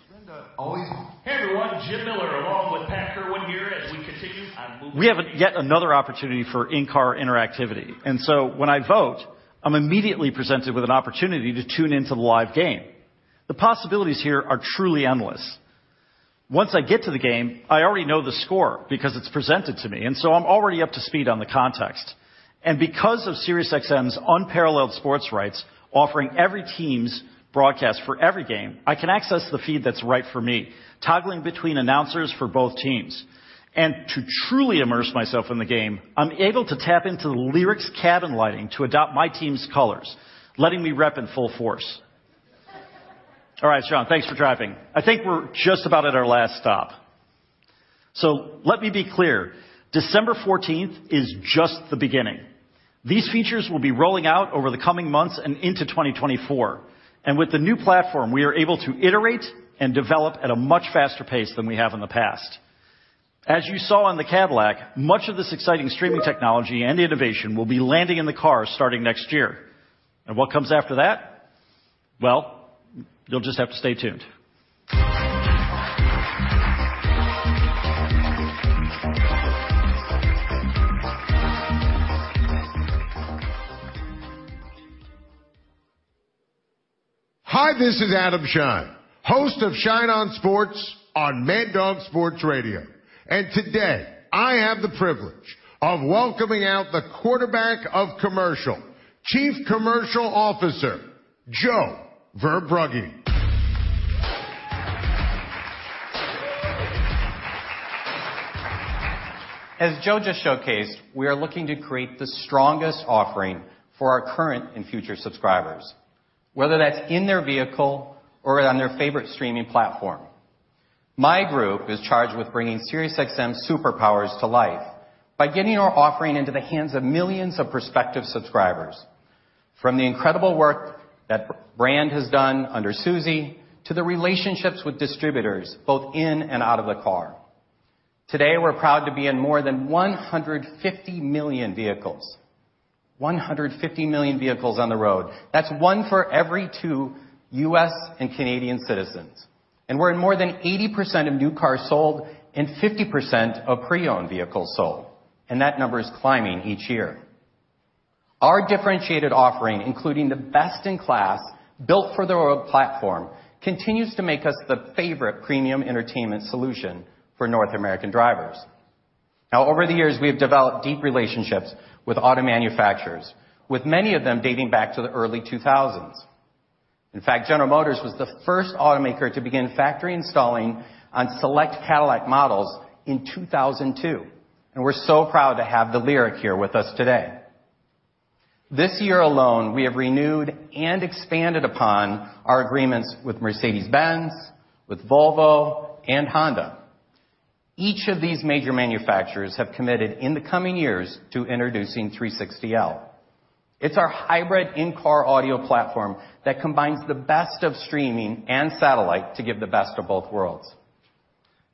Always. Hey, everyone, Jim Miller, along with Pat Kirwan here as we continue on Moving the Chains. We have yet another opportunity for in-car interactivity, and so when I vote, I'm immediately presented with an opportunity to tune into the live game. The possibilities here are truly endless. Once I get to the game, I already know the score because it's presented to me, and so I'm already up to speed on the context. And because of SiriusXM's unparalleled sports rights, offering every team's broadcast for every game, I can access the feed that's right for me, toggling between announcers for both teams. And to truly immerse myself in the game, I'm able to tap into the LYRIQ's cabin lighting to adopt my team's colors, letting me rep in full force. All right, Sean, thanks for driving. I think we're just about at our last stop. So let me be clear, December fourteenth is just the beginning. These features will be rolling out over the coming months and into 2024, and with the new platform, we are able to iterate and develop at a much faster pace than we have in the past. As you saw on the Cadillac, much of this exciting streaming technology and innovation will be landing in the car starting next year. What comes after that? Well, you'll just have to stay tuned. Hi, this is Adam Schein, host of Schein on Sports on Mad Dog Sports Radio. Today, I have the privilege of welcoming out the quarterback of commercial, Chief Commercial Officer Joe Verbrugge. As Joe just showcased, we are looking to create the strongest offering for our current and future subscribers, whether that's in their vehicle or on their favorite streaming platform. My group is charged with bringing SiriusXM superpowers to life by getting our offering into the hands of millions of prospective subscribers. From the incredible work that brand has done under Suzi to the relationships with distributors, both in and out of the car. Today, we're proud to be in more than 150 million vehicles. 150 million vehicles on the road. That's one for every two U.S. and Canadian citizens, and we're in more than 80% of new cars sold and 50% of pre-owned vehicles sold, and that number is climbing each year. Our differentiated offering, including the best-in-class, built for the world platform, continues to make us the favorite premium entertainment solution for North American drivers. Now, over the years, we have developed deep relationships with auto manufacturers, with many of them dating back to the early 2000s. In fact, General Motors was the first automaker to begin factory installing on select Cadillac models in 2002, and we're so proud to have the LYRIQ here with us today. This year alone, we have renewed and expanded upon our agreements with Mercedes-Benz, with Volvo, and Honda. Each of these major manufacturers have committed in the coming years to introducing 360L. It's our hybrid in-car audio platform that combines the best of streaming and satellite to give the best of both worlds.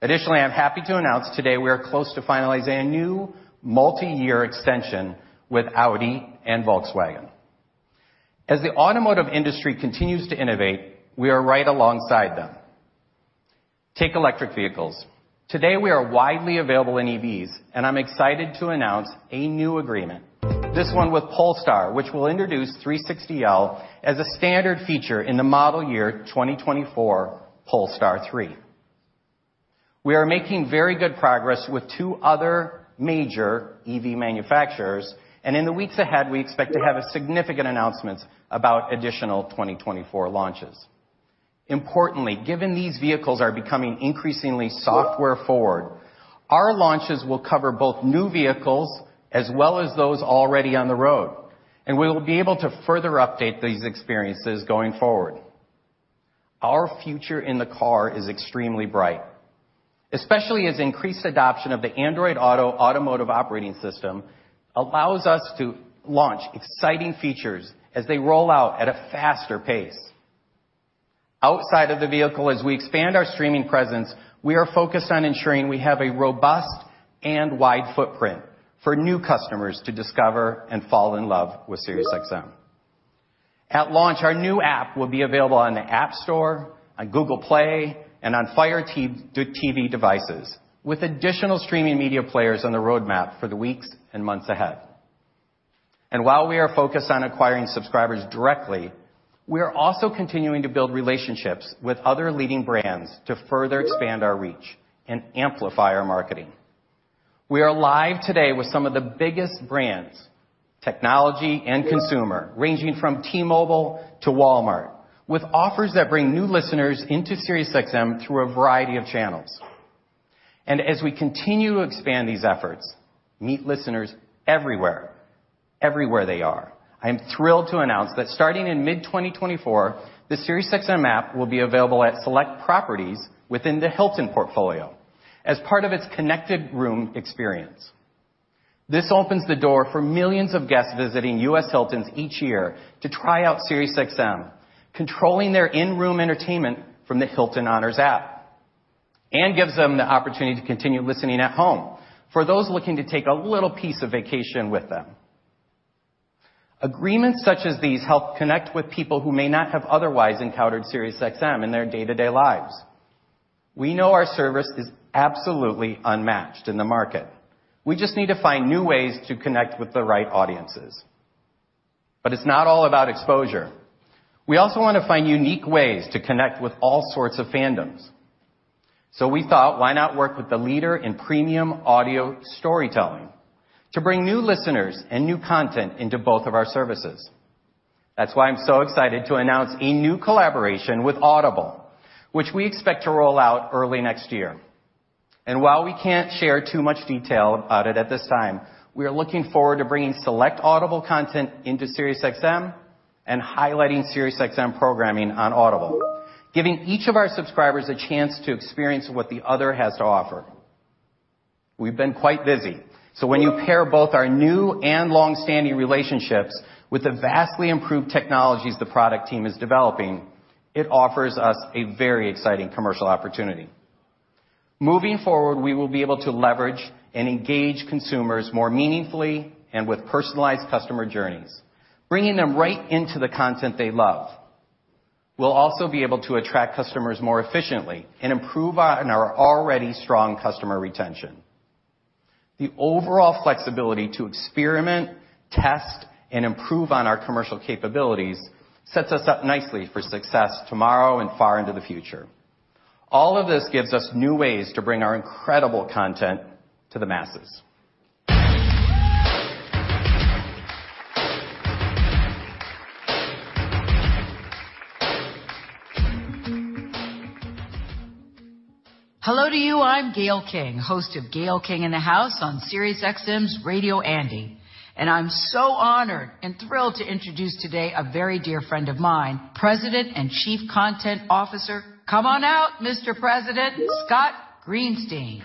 Additionally, I'm happy to announce today we are close to finalizing a new multi-year extension with Audi and Volkswagen. As the automotive industry continues to innovate, we are right alongside them. Take electric vehicles. Today, we are widely available in EVs, and I'm excited to announce a new agreement, this one with Polestar, which will introduce 360L as a standard feature in the model year 2024 Polestar 3. We are making very good progress with two other major EV manufacturers, and in the weeks ahead, we expect to have significant announcements about additional 2024 launches. Importantly, given these vehicles are becoming increasingly software-forward, our launches will cover both new vehicles as well as those already on the road, and we will be able to further update these experiences going forward. Our future in the car is extremely bright, especially as increased adoption of the Android Automotive Operating System allows us to launch exciting features as they roll out at a faster pace. Outside of the vehicle, as we expand our streaming presence, we are focused on ensuring we have a robust and wide footprint for new customers to discover and fall in love with SiriusXM. At launch, our new app will be available on the App Store, on Google Play, and on Fire TV devices, with additional streaming media players on the roadmap for the weeks and months ahead. While we are focused on acquiring subscribers directly, we are also continuing to build relationships with other leading brands to further expand our reach and amplify our marketing. We are live today with some of the biggest brands, technology, and consumer, ranging from T-Mobile to Walmart, with offers that bring new listeners into SiriusXM through a variety of channels. As we continue to expand these efforts, meet listeners everywhere, everywhere they are. I am thrilled to announce that starting in mid-2024, the SiriusXM app will be available at select properties within the Hilton portfolio as part of its connected room experience. This opens the door for millions of guests visiting U.S. Hiltons each year to try out SiriusXM, controlling their in-room entertainment from the Hilton Honors app, and gives them the opportunity to continue listening at home for those looking to take a little piece of vacation with them. Agreements such as these help connect with people who may not have otherwise encountered SiriusXM in their day-to-day lives. ...We know our service is absolutely unmatched in the market. We just need to find new ways to connect with the right audiences. But it's not all about exposure. We also want to find unique ways to connect with all sorts of fandoms. So we thought, why not work with the leader in premium audio storytelling to bring new listeners and new content into both of our services? That's why I'm so excited to announce a new collaboration with Audible, which we expect to roll out early next year. And while we can't share too much detail about it at this time, we are looking forward to bringing select Audible content into SiriusXM and highlighting SiriusXM programming on Audible, giving each of our subscribers a chance to experience what the other has to offer. We've been quite busy, so when you pair both our new and long-standing relationships with the vastly improved technologies the product team is developing, it offers us a very exciting commercial opportunity. Moving forward, we will be able to leverage and engage consumers more meaningfully and with personalized customer journeys, bringing them right into the content they love. We'll also be able to attract customers more efficiently and improve on our already strong customer retention. The overall flexibility to experiment, test, and improve on our commercial capabilities sets us up nicely for success tomorrow and far into the future. All of this gives us new ways to bring our incredible content to the masses. Hello to you. I'm Gayle King, host of Gayle King in the House on SiriusXM's Radio Andy, and I'm so honored and thrilled to introduce today a very dear friend of mine, President and Chief Content Officer... Come on out, Mr. President Scott Greenstein.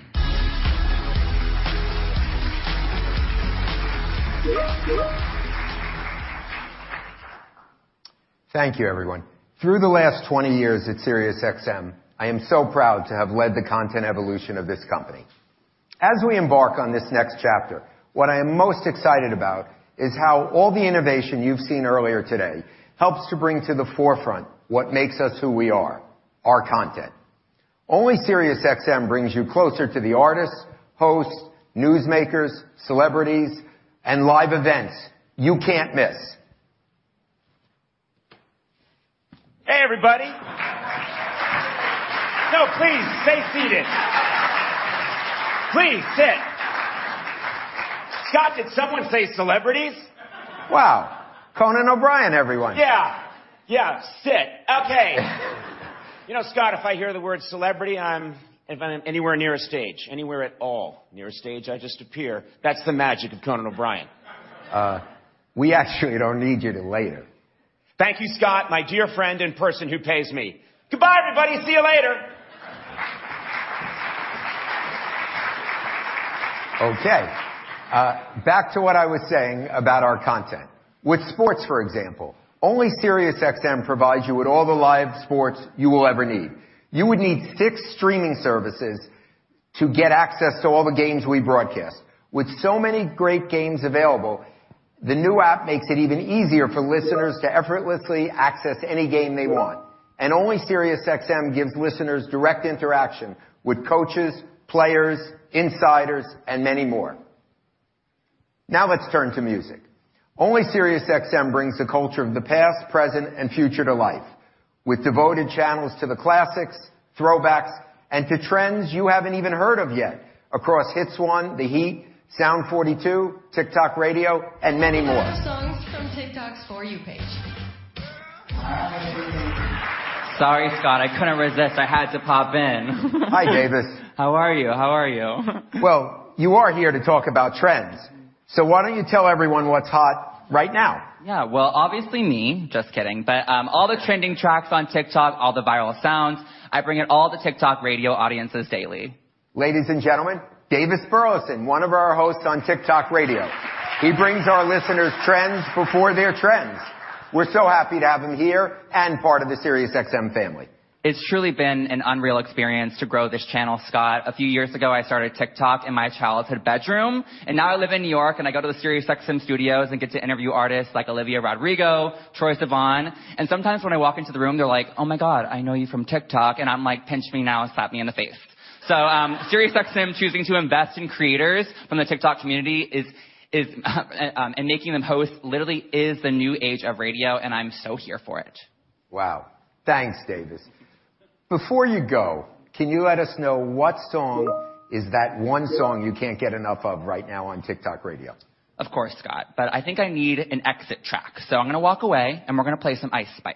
Thank you, everyone. Through the last 20 years at SiriusXM, I am so proud to have led the content evolution of this company. As we embark on this next chapter, what I am most excited about is how all the innovation you've seen earlier today helps to bring to the forefront what makes us who we are, our content. Only SiriusXM brings you closer to the artists, hosts, newsmakers, celebrities, and live events you can't miss. Hey, everybody! No, please, stay seated. Please, sit. Scott, did someone say, "Celebrities? Wow, Conan O'Brien, everyone. Yeah, yeah. Sit. Okay. You know, Scott, if I hear the word celebrity, if I'm anywhere near a stage, anywhere at all near a stage, I just appear. That's the magic of Conan O'Brien. We actually don't need you till later. Thank you, Scott, my dear friend and person who pays me. Goodbye, everybody. See you later! Okay, back to what I was saying about our content. With sports, for example, only SiriusXM provides you with all the live sports you will ever need. You would need six streaming services to get access to all the games we broadcast. With so many great games available, the new app makes it even easier for listeners to effortlessly access any game they want. And only SiriusXM gives listeners direct interaction with coaches, players, insiders, and many more. Now, let's turn to music. Only SiriusXM brings the culture of the past, present, and future to life, with devoted channels to the classics, throwbacks, and to trends you haven't even heard of yet across Hits 1, The Heat, Sound 42, TikTok Radio, and many more.... Songs from TikTok's For You page. Sorry, Scott, I couldn't resist. I had to pop in. Hi, Davis. How are you? How are you? Well, you are here to talk about trends, so why don't you tell everyone what's hot right now? Yeah. Well, obviously me. Just kidding. But, all the trending tracks on TikTok, all the viral sounds, I bring it all to TikTok Radio audiences daily. Ladies and gentlemen, Davis Burleson, one of our hosts on TikTok Radio. He brings our listeners trends before they're trends. We're so happy to have him here and part of the SiriusXM family. It's truly been an unreal experience to grow this channel, Scott. A few years ago, I started TikTok in my childhood bedroom, and now I live in New York, and I go to the SiriusXM studios and get to interview artists like Olivia Rodrigo, Troye Sivan, and sometimes when I walk into the room, they're like, "Oh, my God, I know you from TikTok." And I'm like, "Pinch me now and slap me in the face." So, SiriusXM choosing to invest in creators from the TikTok community is, and making them hosts literally is the new age of radio, and I'm so here for it. Wow! Thanks, Davis. Before you go, can you let us know what song is that one song you can't get enough of right now on TikTok Radio? Of course, Scott, but I think I need an exit track, so I'm gonna walk away, and we're gonna play some Ice Spice.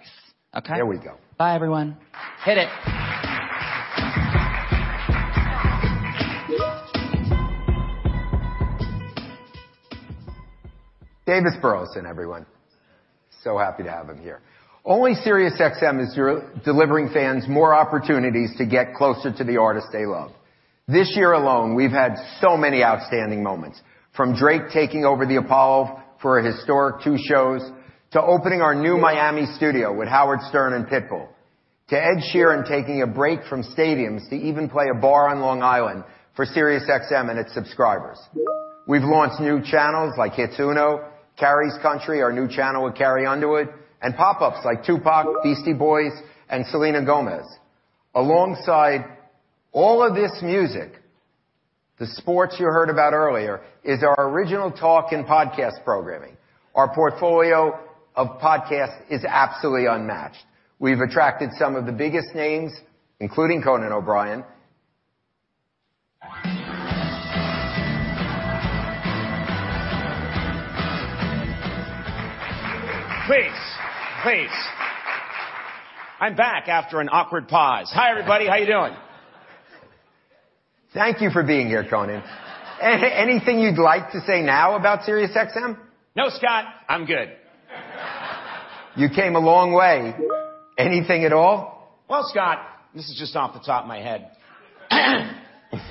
Okay? There we go. Bye, everyone. Hit it. Davis Burleson, everyone. So happy to have him here. Only SiriusXM is delivering fans more opportunities to get closer to the artists they love. This year alone, we've had so many outstanding moments, from Drake taking over the Apollo for a historic two shows, to opening our new Miami studio with Howard Stern and Pitbull, to Ed Sheeran taking a break from stadiums to even play a bar on Long Island for SiriusXM and its subscribers. We've launched new channels like Hits Uno, Carrie's Country, our new channel with Carrie Underwood, and pop-ups like Tupac, Beastie Boys, and Selena Gomez. Alongside all of this music... The sports you heard about earlier is our original talk and podcast programming. Our portfolio of podcasts is absolutely unmatched. We've attracted some of the biggest names, including Conan O'Brien. Please, please. I'm back after an awkward pause. Hi, everybody, how you doing? Thank you for being here, Conan. Anything you'd like to say now about SiriusXM? No, Scott, I'm good. You came a long way. Anything at all? Well, Scott, this is just off the top of my head.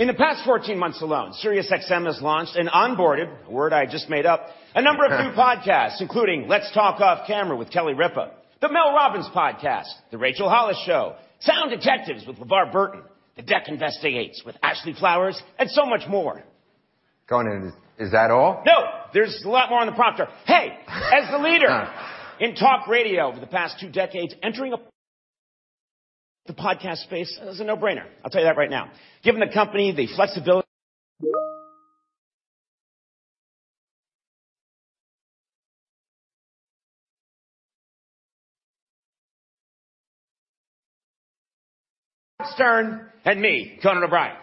In the past 14 months alone, SiriusXM has launched and onboarded, a word I just made up, a number of new podcasts, including Let's Talk Off Camera with Kelly Ripa, The Mel Robbins Podcast, The Rachel Hollis Show, Sound Detectives with LeVar Burton, The Deck Investigates with Ashley Flowers, and so much more. Conan, is that all? No! There's a lot more on the prompter. Hey! As the leader in talk radio over the past two decades, entering the podcast space is a no-brainer. I'll tell you that right now. Giving the company the flexibility... Stern and me, Conan O'Brien.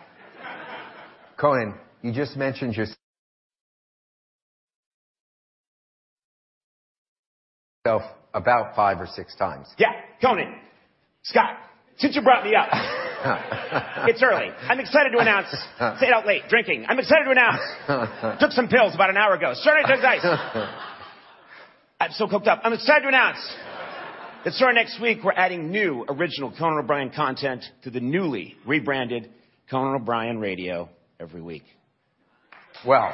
Conan, you just mentioned yourself about five or six times. Yeah. Conan, Scott, since you brought me up— It's early. I'm excited to announce— Stayed out late, drinking. I'm excited to announce— Took some pills about an hour ago. Stern and Dice. I'm still cooked up. I'm excited to announce that starting next week, we're adding new original Conan O'Brien content to the newly rebranded Conan O'Brien Radio every week. Well,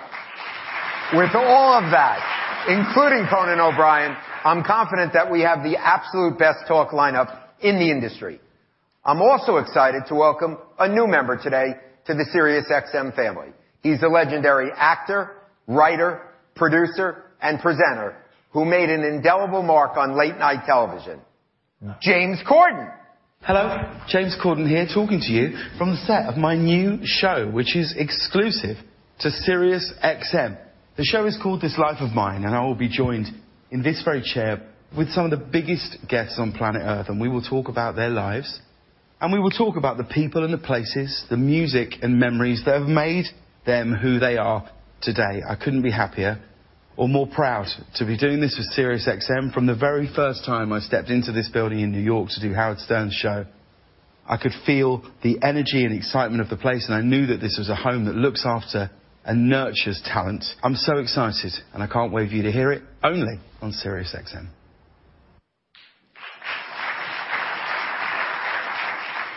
with all of that, including Conan O'Brien, I'm confident that we have the absolute best talk lineup in the industry. I'm also excited to welcome a new member today to the SiriusXM family. He's a legendary actor, writer, producer, and presenter who made an indelible mark on late-night television. No. James Corden! Hello, James Corden here talking to you from the set of my new show, which is exclusive to SiriusXM. The show is called This Life of Mine, and I will be joined, in this very chair, with some of the biggest guests on planet Earth, and we will talk about their lives, and we will talk about the people and the places, the music and memories that have made them who they are today. I couldn't be happier or more proud to be doing this with SiriusXM. From the very first time I stepped into this building in New York to do Howard Stern's show, I could feel the energy and excitement of the place, and I knew that this was a home that looks after and nurtures talent. I'm so excited, and I can't wait for you to hear it, only on SiriusXM.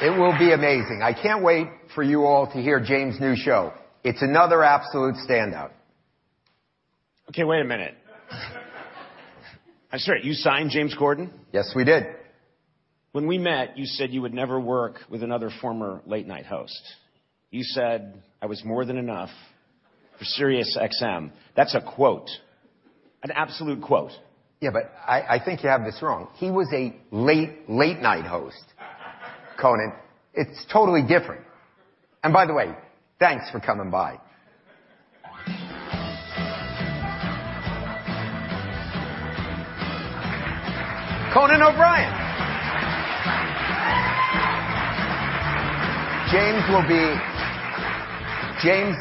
It will be amazing. I can't wait for you all to hear James' new show. It's another absolute standout. Okay, wait a minute. I'm sorry, you signed James Corden? Yes, we did. When we met, you said you would never work with another former late-night host. You said I was more than enough for SiriusXM. That's a quote, an absolute quote. Yeah, but I, I think you have this wrong. He was a late-night host, Conan. It's totally different. And by the way, thanks for coming by. Conan O'Brien! James will be... James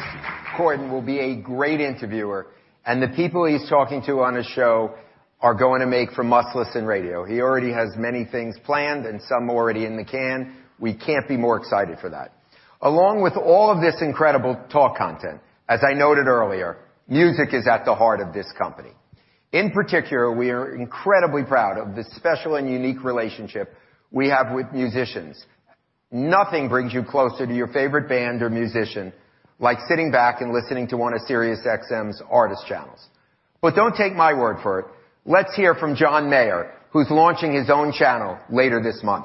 Corden will be a great interviewer, and the people he's talking to on his show are going to make for must-listen radio. He already has many things planned and some already in the can. We can't be more excited for that. Along with all of this incredible talk content, as I noted earlier, music is at the heart of this company. In particular, we are incredibly proud of the special and unique relationship we have with musicians. Nothing brings you closer to your favorite band or musician, like sitting back and listening to one of SiriusXM's artist channels. But don't take my word for it. Let's hear from John Mayer, who's launching his own channel later this month.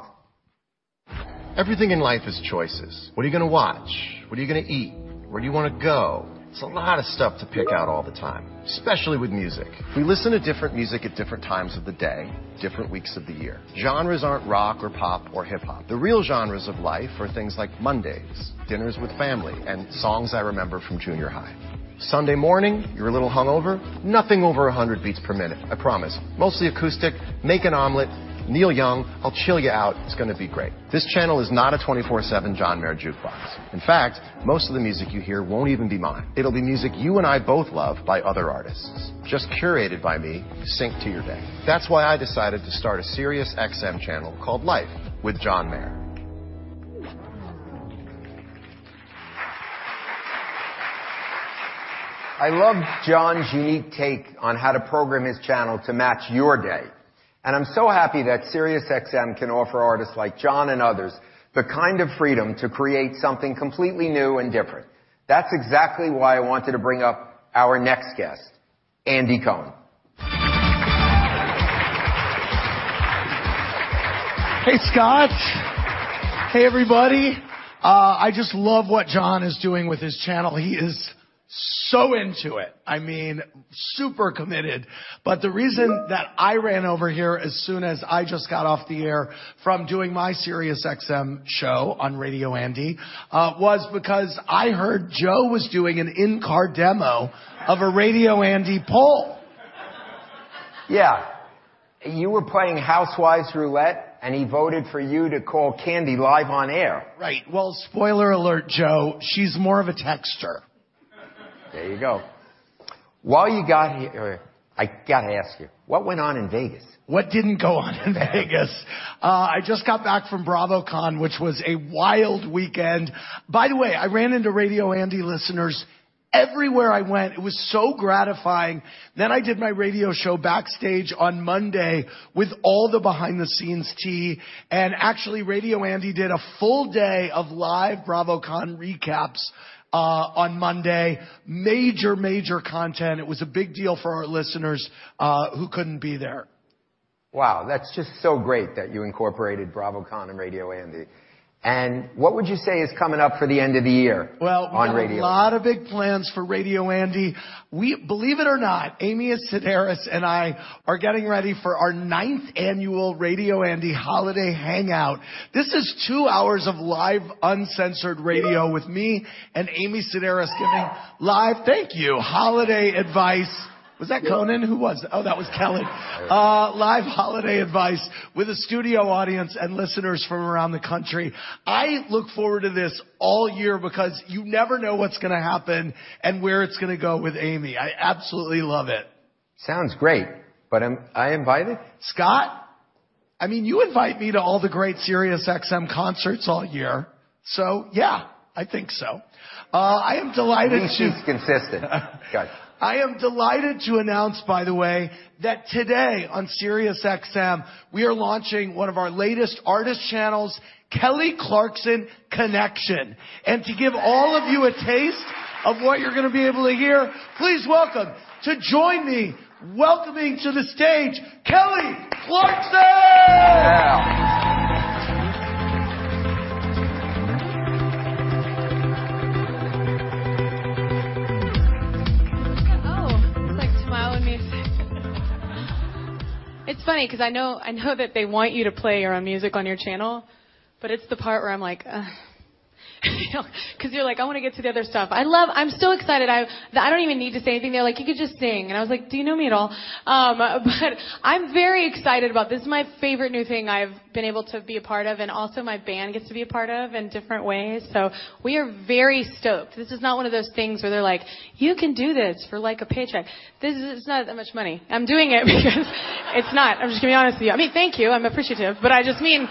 Everything in life is choices. What are you gonna watch? What are you gonna eat? Where do you wanna go? It's a lot of stuff to pick out all the time, especially with music. We listen to different music at different times of the day, different weeks of the year. Genres aren't rock or pop or hip-hop. The real genres of life are things like Mondays, dinners with family, and songs I remember from junior high. Sunday morning, you're a little hungover, nothing over 100 beats per minute, I promise. Mostly acoustic, make an omelet, Neil Young. I'll chill you out. It's gonna be great. This channel is not a 24/7 John Mayer jukebox. In fact, most of the music you hear won't even be mine. It'll be music you and I both love by other artists, just curated by me, synced to your day. That's why I decided to start a SiriusXM channel called Life with John Mayer. I love John's unique take on how to program his channel to match your day. I'm so happy that SiriusXM can offer artists like John and others, the kind of freedom to create something completely new and different. That's exactly why I wanted to bring up our next guest, Andy Cohen. Hey, Scott. Hey, everybody. I just love what John is doing with his channel. He is so into it! I mean, super committed. But the reason that I ran over here as soon as I just got off the air from doing my SiriusXM show on Radio Andy was because I heard Joe was doing an in-car demo of a Radio Andy poll. Yeah. You were playing Housewives Roulette, and he voted for you to call Kandi live on air. Right. Well, spoiler alert, Joe, she's more of a texter. There you go. While you got here, I gotta ask you, what went on in Vegas? What didn't go on in Vegas? I just got back from BravoCon, which was a wild weekend. By the way, I ran into Radio Andy listeners everywhere I went. It was so gratifying. Then I did my radio show backstage on Monday with all the behind-the-scenes tea, and actually, Radio Andy did a full day of live BravoCon recaps on Monday. Major, major content. It was a big deal for our listeners who couldn't be there. Wow, that's just so great that you incorporated BravoCon and Radio Andy. What would you say is coming up for the end of the year? Well- on radio?... we have a lot of big plans for Radio Andy. We believe it or not, Amy Sedaris and I are getting ready for our ninth annual Radio Andy Holiday Hangout. This is two hours of live, uncensored radio with me and Amy Sedaris giving live... Thank you. Holiday advice. Was that- Yep. Conan? Who was it? Oh, that was Kelly. Live holiday advice with a studio audience and listeners from around the country. I look forward to this all year because you never know what's gonna happen and where it's gonna go with Amy. I absolutely love it. Sounds great, but am I invited? Scott, I mean, you invite me to all the great SiriusXM concerts all year, so yeah, I think so. I am delighted to- At least he's consistent. Got it. I am delighted to announce, by the way, that today on SiriusXM, we are launching one of our latest artist channels, Kelly Clarkson Connection. To give all of you a taste of what you're gonna be able to hear, please welcome to join me, welcoming to the stage, Kelly Clarkson! Oh, it's like smile and music. It's funny 'cause I know, I know that they want you to play your own music on your channel, but it's the part where I'm like, "Ugh," you know? 'Cause you're like: I wanna get to the other stuff. I love... I'm so excited that I don't even need to say anything. They're like: "You could just sing." And I was like: "Do you know me at all?" But I'm very excited about this. This is my favorite new thing I've been able to be a part of, and also my band gets to be a part of in different ways, so we are very stoked. This is not one of those things where they're like, "You can do this for, like, a paycheck." This is-- It's not that much money. I'm doing it because-... it's not. I'm just gonna be honest with you. I mean, thank you. I'm appreciative, but I just mean...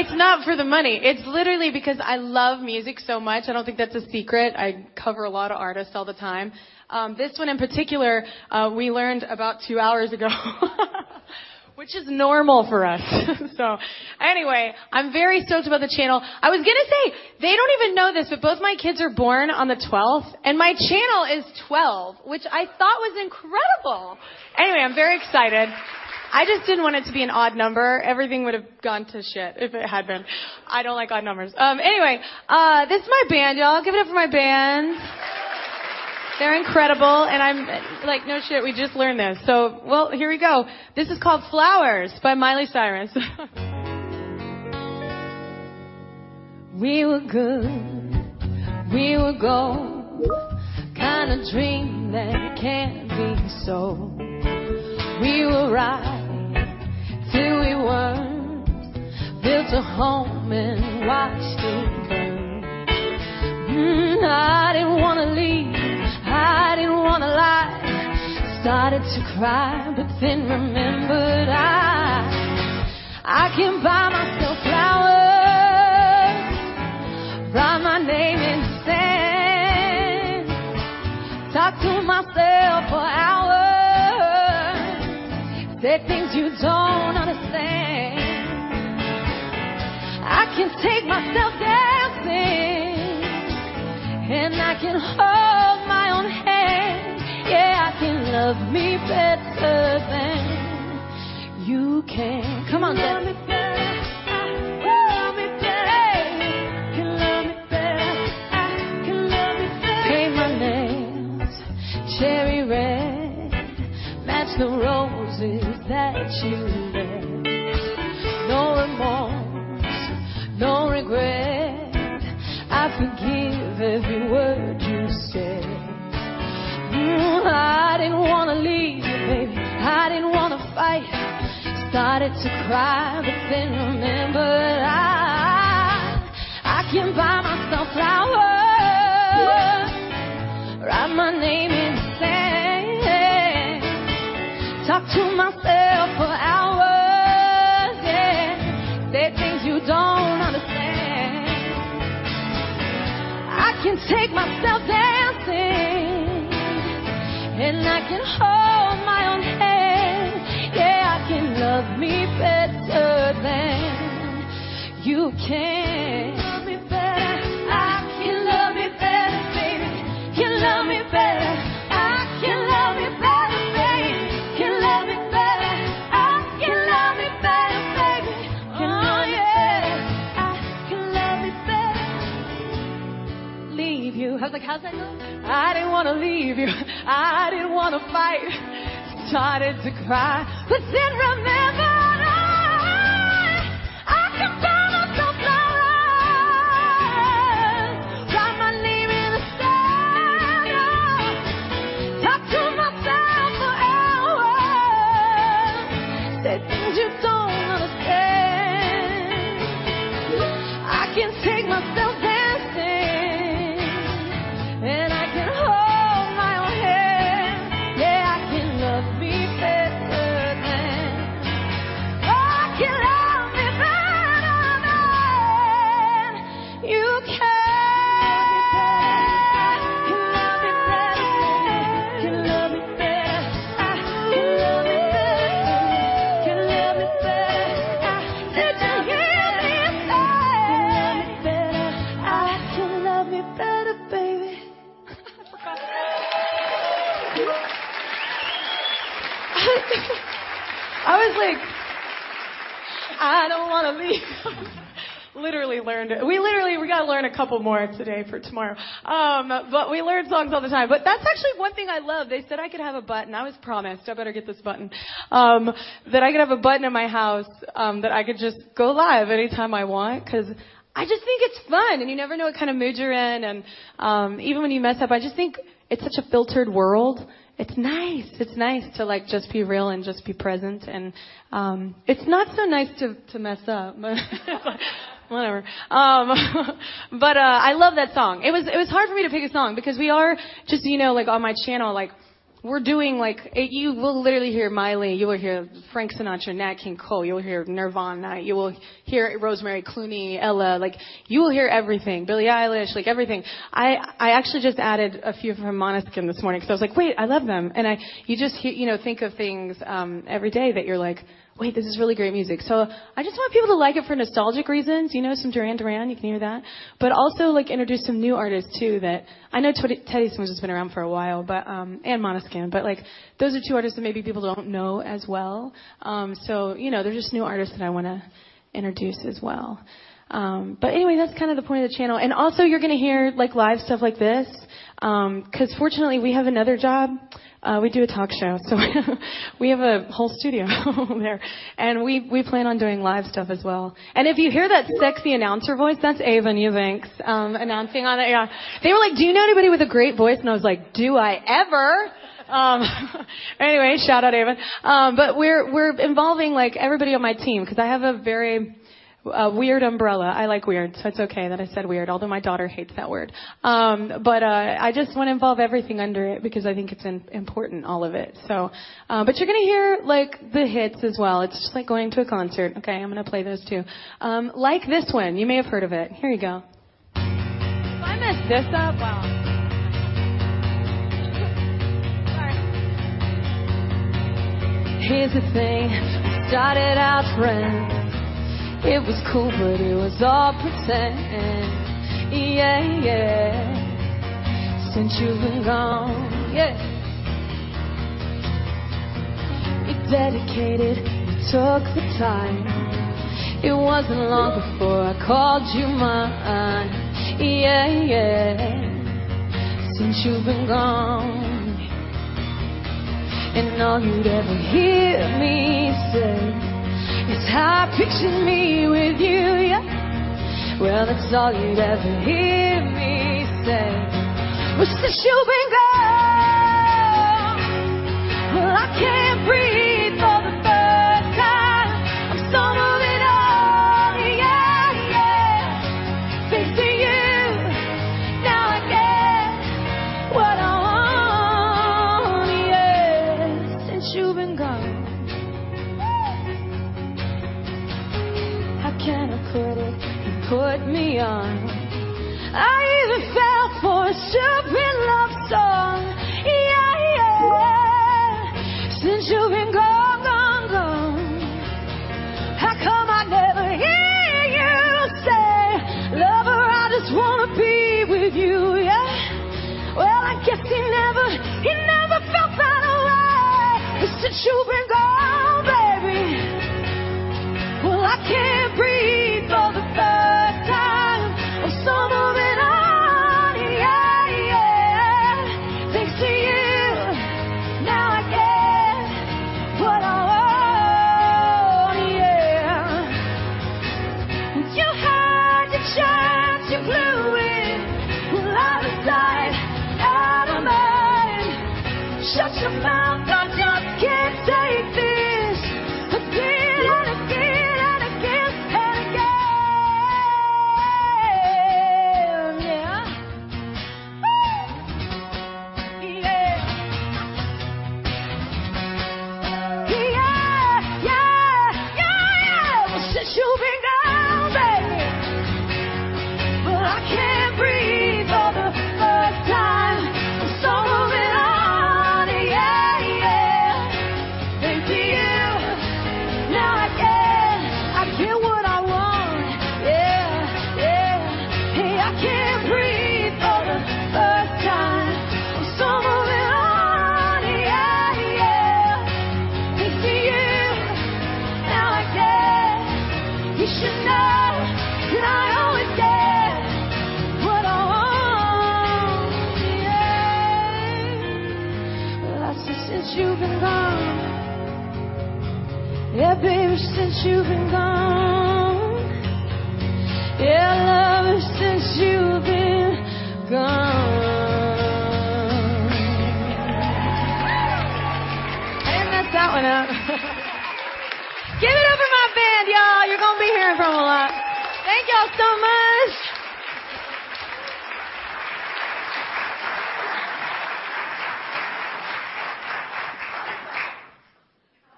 it's not for the money. It's literally because I love music so much. I don't think that's a secret. I cover a lot of artists all the time. This one, in particular, we learned about two hours ago, which is normal for us. So anyway, I'm very stoked about the channel. I was gonna say, they don't even know this, but both my kids are born on the twelfth, and my channel is twelve, which I thought was incredible! Anyway, I'm very excited. I just didn't want it to be an odd number. Everything would've gone to shit if it had been. I don't like odd numbers. Anyway, this is my band, y'all. Give it up for my band. They're incredible, and I'm... Like, no shit, we just learned this. So well, here we go. This is called Flowers by Miley Cyrus. We were good. We were gold. Kinda dream that can't be sold. We were right 'til we weren't, built a home and watched it burn. Mm, I didn't wanna leave. I didn't wanna lie. Started to cry, but then remembered I... I can buy myself flowers. Write my name in the sand. Talk to myself for hours. Say things you don't understand. I can take myself dancing, and I can hold my own hand. Yeah, I can love me better than you can. Come on. You love me better. I can love me better. Hey! You love me better. I can love me better. Paint my nails cherry red. Match the roses that you left. No remorse, no regret. I forgive every word you said. Mm, I didn't wanna leave you, baby. I didn't wanna fight. Started to cry, but then remembered I... I can buy myself flowers- Yeah... Write my name in the sand. Talk to myself for hours, yeah. Say things you don't understand. I can take myself dancing, and I can hold my own hand. Yeah, I can love me better than you can. You love me better. I can love me better, baby. You love me better... babe, leave you. I was like, how's that go? I didn't wanna leave you. I didn't wanna fight. Started to cry, but then remembered, I, I can find myself alright. Write my name in the sand. Oh. Talk to myself for hours. Say things you don't understand. I can take myself dancing, and I can hold my own hand. Yeah, I can love me better than, oh, I can love me better than you can! You love me better. I can love me better, baby. You love me better. I can love me better, baby. Ooh. You love me better. I can love me better, baby. Did you hear me say- You love me better. I can love me better, baby. I was like, "I don't wanna leave you." Literally learned it. We literally- we gotta learn a couple more today for tomorrow. But we learn songs all the time. But that's actually one thing I love. They said I could have a button. I was promised, I better get this button. That I could have a button in my house, that I could just go live anytime I want, 'cause I just think it's fun, and you never know what kind of mood you're in. And, even when you mess up, I just think it's such a filtered world. It's nice. It's nice to, like, just be real and just be present and... It's not so nice to, to mess up, but whatever. But, I love that song. It was hard for me to pick a song because we are, just so you know, like, on my channel, like, we're doing like... You will literally hear Miley, you will hear Frank Sinatra, Nat King Cole. You will hear Nirvana, you will hear Rosemary Clooney, Ella. Like, you will hear everything. Billie Eilish, like, everything. I actually just added a few from Måneskin this morning, 'cause I was like, "Wait, I love them." And I... You just, you know, think of things every day that you're like, "Wait, this is really great music." So I just want people to like it for nostalgic reasons. You know, some Duran Duran, you can hear that. But also, like, introduce some new artists, too, that... I know Teddy Swims has been around for a while, but, and Måneskin, but, like, those are two artists that maybe people don't know as well. So, you know, they're just new artists that I wanna introduce as well. But anyway, that's kind of the point of the channel, and also you're gonna hear, like, live stuff like this. 'Cause fortunately, we have another job. We do a talk show, so we have a whole studio there, and we, we plan on doing live stuff as well. And if you hear that sexy announcer voice, that's Ava Max, announcing on it, yeah. They were like: "Do you know anybody with a great voice?" And I was like, "Do I ever?" Anyway, shout out, Ava. But we're, we're involving, like, everybody on my team, 'cause I have a very, a weird umbrella. I like weird, so it's okay that I said weird, although my daughter hates that word. But I just wanna involve everything under it because I think it's important, all of it, so. But you're gonna hear, like, the hits as well. It's just like going to a concert. Okay, I'm gonna play this, too. Like this one, you may have heard of it. Here you go. If I mess this up, well. Sorry. Here's the thing, we started out friends. It was cool, but it was all pretend. Yeah, yeah, since you've been gone, yeah. You're dedicated, you took the time. It wasn't long before I called you mine. Yeah, yeah, since you've been gone. And all you'd ever hear me say is, "I picture me with you," yeah. Well, that's all you'd ever hear me say. But since you've been gone, well, I can breathe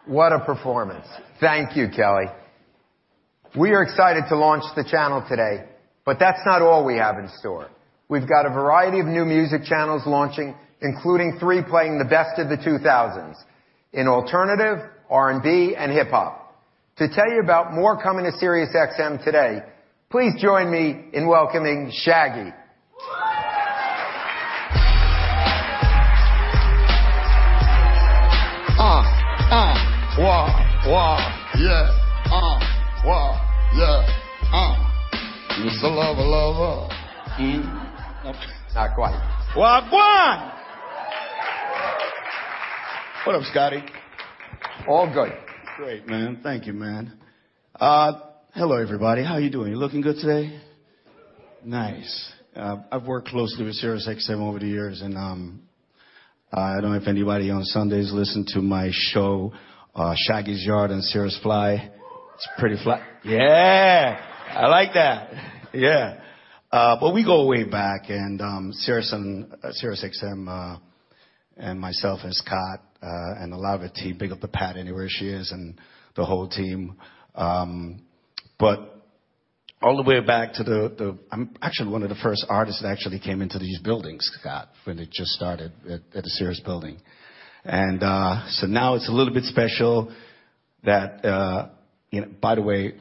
What a performance! Thank you, Kelly. We are excited to launch the channel today, but that's not all we have in store. We've got a variety of new music channels launching, including three playing the best of the 2000s in alternative, R&B, and hip-hop. To tell you about more coming to SiriusXM today, please join me in welcoming Shaggy. Wah, wah, yeah, wah, yeah. It's the lover, lover. Mm. Not quite. Wah gwan? What up, Scotty? All good. Great, man. Thank you, man. Hello, everybody. How are you doing? You're looking good today? Whoo! Nice. I've worked closely with SiriusXM over the years, and I don't know if anybody on Sundays listen to my show, Shaggy's Yaad and Sirius Fly. It's pretty fly. Yeah, I like that. Yeah. But we go way back, and Sirius and SiriusXM, and myself and Scott, and a lot of the team, big up to Pat, anywhere she is, and the whole team. But all the way back to the... I'm actually one of the first artists that actually came into these buildings, Scott, when it just started at the Sirius building. And so now it's a little bit special that, you know... By the way,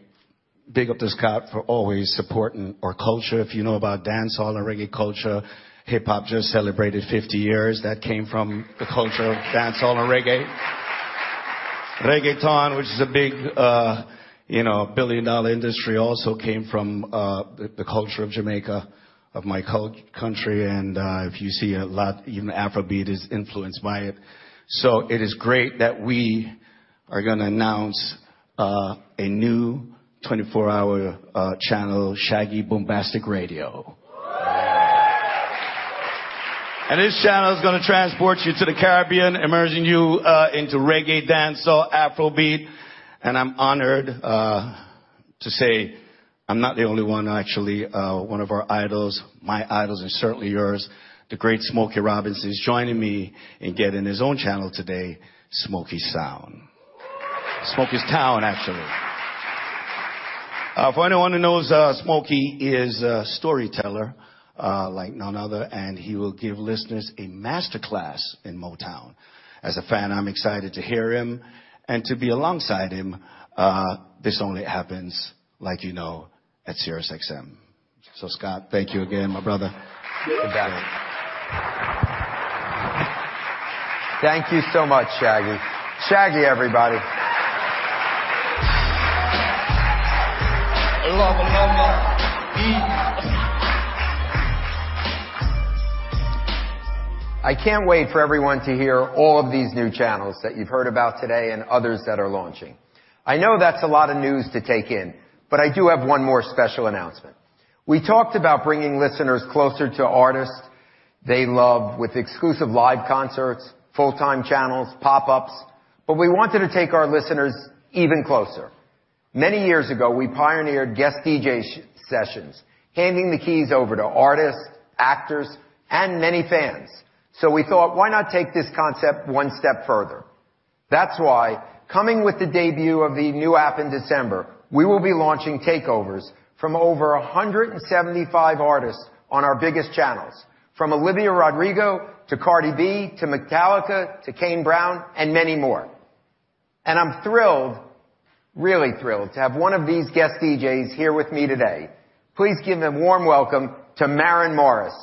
big up to Scott for always supporting our culture. If you know about dancehall and reggae culture, hip-hop just celebrated 50 years. That came from the culture of dancehall and reggae. Reggaeton, which is a big, you know, billion-dollar industry, also came from, the culture of Jamaica, of my country. And, if you see a lot, even Afrobeat is influenced by it. So it is great that we are gonna announce, a new 24-hour, channel, Shaggy Boombastic Radio. And this channel is gonna transport you to the Caribbean, immersing you, into reggae, dancehall, Afrobeat. And I'm honored, to say I'm not the only one, actually. One of our idols, my idols, and certainly yours, the great Smokey Robinson, is joining me and getting his own channel today, Smokey Sound. Smokey's Town, actually. For anyone who knows, Smokey is a storyteller, like none other, and he will give listeners a master class in Motown. As a fan, I'm excited to hear him and to be alongside him. This only happens, like you know, at SiriusXM. So, Scott, thank you again, my brother. Thank you so much, Shaggy. Shaggy, everybody. Lover, lover. Mm. I can't wait for everyone to hear all of these new channels that you've heard about today and others that are launching. I know that's a lot of news to take in, but I do have one more special announcement. We talked about bringing listeners closer to artists they love, with exclusive live concerts, full-time channels, pop-ups, but we wanted to take our listeners even closer. Many years ago, we pioneered guest DJ sessions, handing the keys over to artists, actors, and many fans. So we thought, "Why not take this concept one step further?" That's why, coming with the debut of the new app in December, we will be launching takeovers from over 175 artists on our biggest channels. From Olivia Rodrigo, to Cardi B, to Metallica, to Kane Brown, and many more. I'm thrilled, really thrilled, to have one of these guest DJs here with me today. Please give a warm welcome to Maren Morris.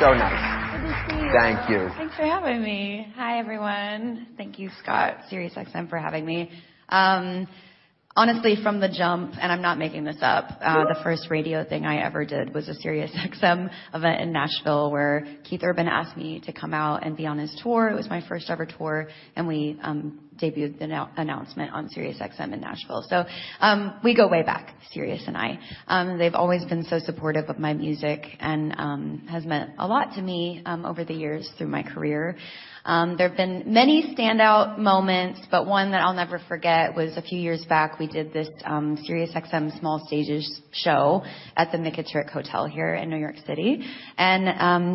So nice. Good to see you. Thank you. Thanks for having me. Hi, everyone. Thank you, Scott, SiriusXM, for having me. Honestly, from the jump, and I'm not making this up, the first radio thing I ever did was a SiriusXM event in Nashville, where Keith Urban asked me to come out and be on his tour. It was my first-ever tour, and we debuted the announcement on SiriusXM in Nashville. So, we go way back, Sirius and I. They've always been so supportive of my music and has meant a lot to me over the years through my career. There have been many standout moments, but one that I'll never forget was a few years back, we did this SiriusXM Small Stages show at the Nick at Trump Hotel here in New York City.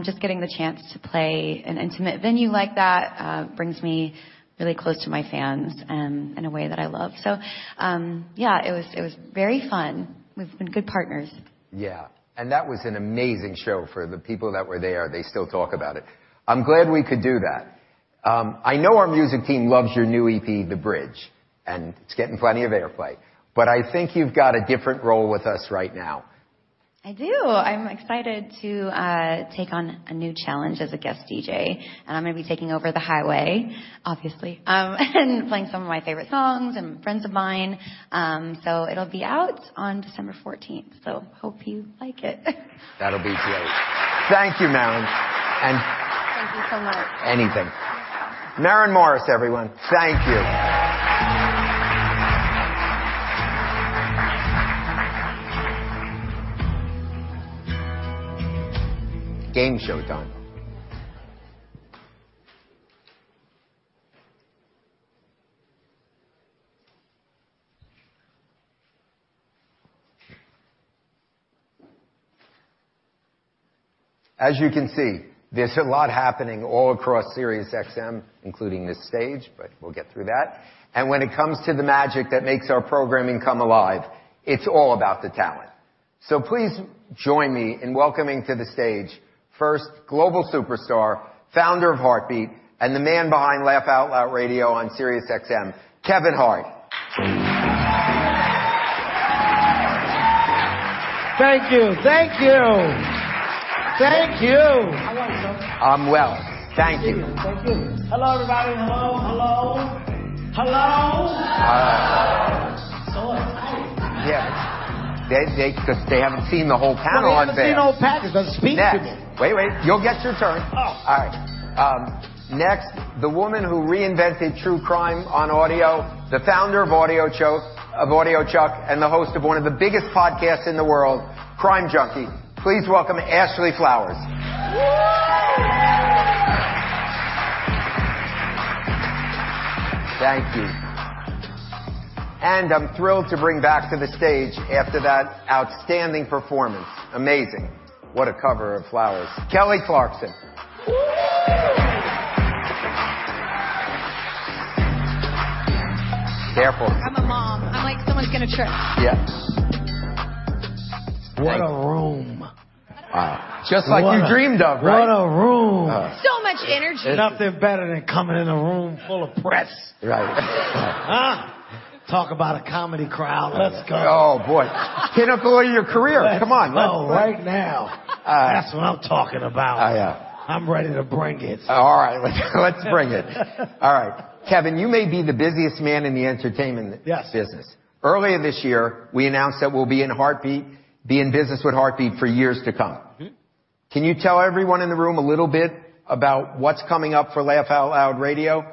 Just getting the chance to play an intimate venue like that brings me really close to my fans in a way that I love. Yeah, it was very fun. We've been good partners. Yeah. That was an amazing show. For the people that were there, they still talk about it. I'm glad we could do that. I know our music team loves your new EP, The Bridge, and it's getting plenty of airplay. I think you've got a different role with us right now.... I do! I'm excited to take on a new challenge as a guest DJ, and I'm gonna be taking over The Highway, obviously, and playing some of my favorite songs and friends of mine. So it'll be out on December fourteenth, so hope you like it. That'll be great. Thank you, Maren. Thank you so much. Anything. Maren Morris, everyone. Thank you. Game show time. As you can see, there's a lot happening all across SiriusXM, including this stage, but we'll get through that. And when it comes to the magic that makes our programming come alive, it's all about the talent. So please join me in welcoming to the stage, first, global superstar, founder of Hartbeat, and the man behind Laugh Out Loud Radio on SiriusXM, Kevin Hart. Thank you. Thank you. Thank you! How are you, sir? I'm well. Thank you. Thank you. Hello, everybody. Hello, hello. Hello! Hello. So excited. Yes. They just haven't seen the whole panel up there. They haven't seen the whole panel, they're speaking to me. Next... Wait, wait, you'll get your turn. Oh. All right. Next, the woman who reinvented true crime on audio, the founder of AudioChuck and the host of one of the biggest podcasts in the world, Crime Junkie. Please welcome Ashley Flowers. Thank you. And I'm thrilled to bring back to the stage after that outstanding performance, amazing. What a cover of Flowers, Kelly Clarkson. Careful. I'm a mom. I'm like, "Someone's gonna trip. Yes. What a room! Just like you dreamed of, right? What a room. So much energy. Nothing better than coming in a room full of press. Right. Huh? Talk about a comedy crowd. Let's go. Oh, boy. Pinnacle of your career. Come on, let- Oh, right now. Uh- That's what I'm talking about. Oh, yeah. I'm ready to bring it. All right, let's, let's bring it. All right. Kevin, you may be the busiest man in the entertainment- Yes... business. Earlier this year, we announced that we'll be in business with Hartbeat for years to come. Mm-hmm. Can you tell everyone in the room a little bit about what's coming up for Laugh Out Loud Radio?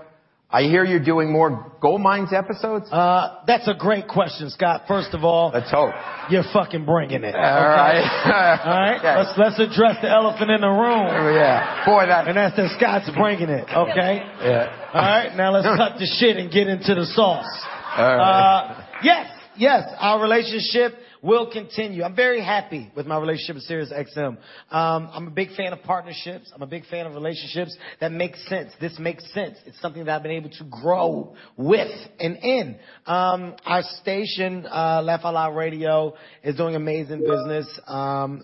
I hear you're doing more Gold Minds episodes? That's a great question, Scott. First of all- Let's hope... you're fucking bringing it. All right. All right? Yes. Let's address the elephant in the room. Oh, yeah. Boy, that- That's that. Scott's bringing it. Okay? Yes. Yeah. All right, now let's cut the shit and get into the sauce. All right. Yes, yes, our relationship will continue. I'm very happy with my relationship with SiriusXM. I'm a big fan of partnerships. I'm a big fan of relationships that make sense. This makes sense. It's something that I've been able to grow with and in. Our station, Laugh Out Loud Radio, is doing amazing business.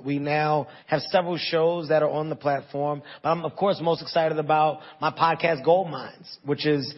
We now have several shows that are on the platform, but I'm, of course, most excited about my podcast, Gold Minds, which is...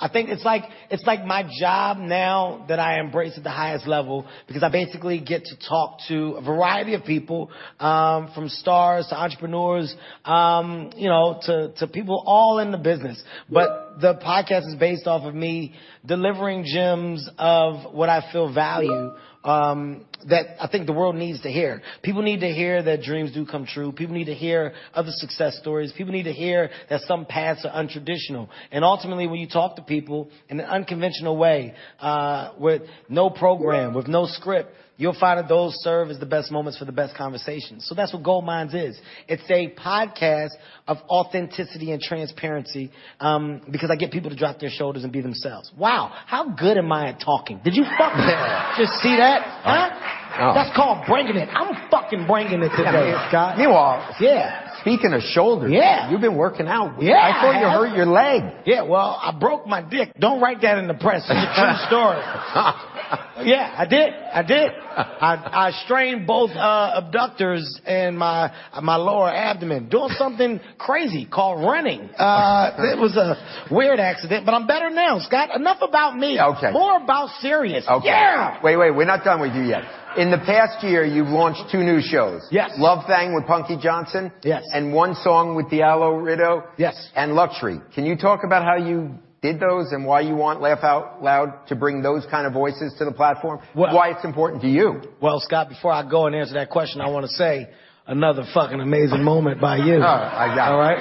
I think it's like, it's like my job now that I embrace at the highest level because I basically get to talk to a variety of people, from stars to entrepreneurs, you know, to, to people all in the business. But the podcast is based off of me delivering gems of what I feel value, that I think the world needs to hear. People need to hear that dreams do come true. People need to hear other success stories. People need to hear that some paths are untraditional. And ultimately, when you talk to people in an unconventional way, with no program, with no script, you'll find that those serve as the best moments for the best conversations. So that's what Gold Minds is. It's a podcast of authenticity and transparency, because I get people to drop their shoulders and be themselves. Wow! How good am I at talking? Did you fucking just see that? Huh? Oh. That's called bringing it. I'm fucking bringing it today, Scott. Meanwhile- Yeah. ... speaking of shoulders- Yeah... you've been working out. Yeah, I have. I thought you hurt your leg. Yeah, well, I broke my dick. Don't write that in the press. It's a true story. Yeah, I did. I did. I strained both abductors in my lower abdomen, doing something crazy called running. It was a weird accident, but I'm better now, Scott. Enough about me- Okay. -more about Sirius. Okay. Yeah! Wait, wait, we're not done with you yet. In the past year, you've launched two new shows. Yes. Love Thang with Punkie Johnson- Yes. -and One Song with Diallo Riddle- Yes... and Luxury. Can you talk about how you did those and why you want Laugh Out Loud to bring those kind of voices to the platform? Well- Why it's important to you. Well, Scott, before I go and answer that question, I wanna say another fucking amazing moment by you. Oh, I got it. All right?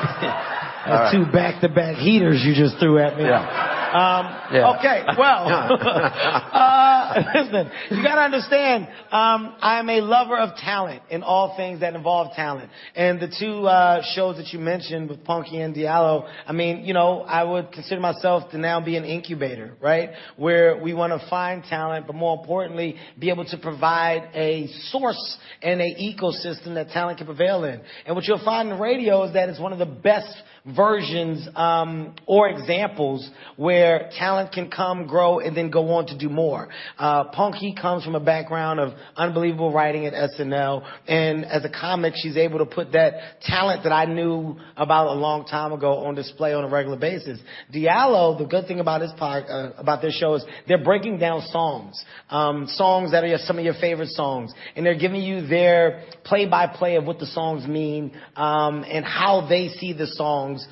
All right. Two back-to-back heaters you just threw at me. Yeah. Yeah. Okay, well, listen, you gotta understand, I'm a lover of talent and all things that involve talent. And the two shows that you mentioned with Punkie and Diallo, I mean, you know, I would consider myself to now be an incubator, right? Where we wanna find talent, but more importantly, be able to provide a source and a ecosystem that talent can prevail in. And what you'll find in the radio is that it's one of the best versions or examples where talent can come, grow, and then go on to do more. Punkie comes from a background of unbelievable writing at SNL, and as a comic, she's able to put that talent that I knew about a long time ago on display on a regular basis. Diallo, the good thing about this show is they're breaking down songs. Songs that are some of your favorite songs, and they're giving you their play-by-play of what the songs mean, and how they see the songs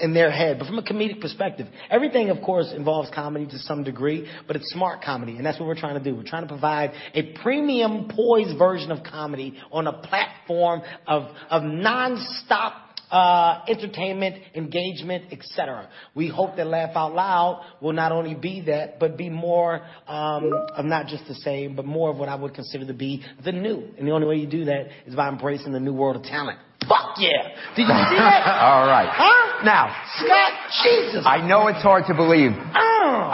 in their head, but from a comedic perspective. Everything, of course, involves comedy to some degree, but it's smart comedy, and that's what we're trying to do. We're trying to provide a premium, poised version of comedy on a platform of nonstop entertainment, engagement, et cetera. We hope that Laugh Out Loud! will not only be that, but be more, and not just the same, but more of what I would consider to be the new. And the only way you do that is by embracing the new world of talent. Fuck, yeah! Did you see that? All right. Huh? Now- Scott, Jesus! I know it's hard to believe. Ugh!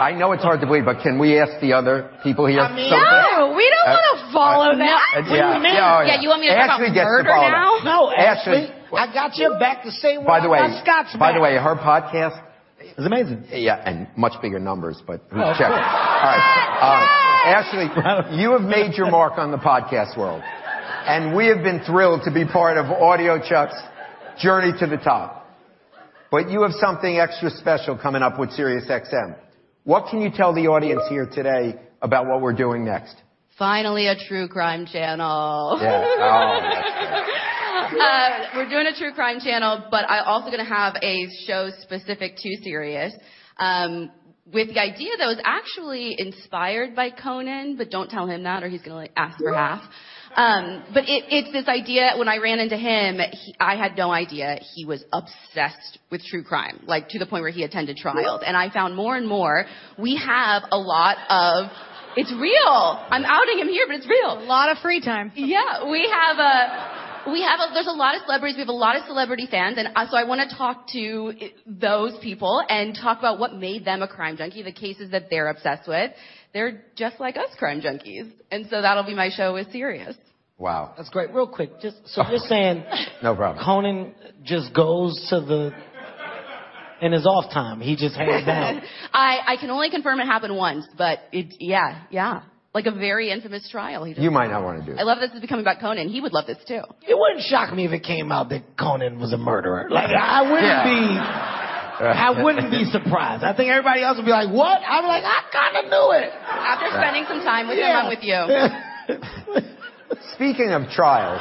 I know it's hard to believe, but can we ask the other people here something? I mean- No, we don't wanna follow that. Yeah. What do you mean? No, I- Yeah, you want me to talk about murder now? Ashley gets to follow. No, Ashley- Ashley-... I got your back the same way I got Scott's back. By the way, by the way, her podcast- Is amazing. Yeah, and much bigger numbers, but we'll check. Oh. What? What! Ashley, you have made your mark on the podcast world. And we have been thrilled to be part of AudioChuck's journey to the top. But you have something extra special coming up with SiriusXM. What can you tell the audience here today about what we're doing next? Finally, a true crime channel. Yeah. Oh, that's right. Good. We're doing a true crime channel, but I'm also gonna have a show specific to Sirius. With the idea, though, it was actually inspired by Conan, but don't tell him that or he's gonna, like, ask for half. But it, it's this idea when I ran into him, he. I had no idea he was obsessed with true crime, like, to the point where he attended trials. And I found more and more, we have a lot of. It's real! I'm outing him here, but it's real. A lot of free time. Yeah, there's a lot of celebrities, we have a lot of celebrity fans, and so I wanna talk to those people and talk about what made them a Crime Junkie, the cases that they're obsessed with. They're just like us Crime Junkies, and so that'll be my show with Sirius. Wow, that's great. Real quick, so you're saying- No problem. Conan just goes to. In his off time, he just hangs out. I can only confirm it happened once, but it... Yeah, yeah, like a very infamous trial he did. You might not wanna do this. I love that this is becoming about Conan. He would love this, too. It wouldn't shock me if it came out that Conan was a murderer. Yeah. Like, I wouldn't be, I wouldn't be surprised. I think everybody else would be like, "What?" I'd be like, "I kinda knew it! After spending some time with him, I'm with you. Yeah. Speaking of trials,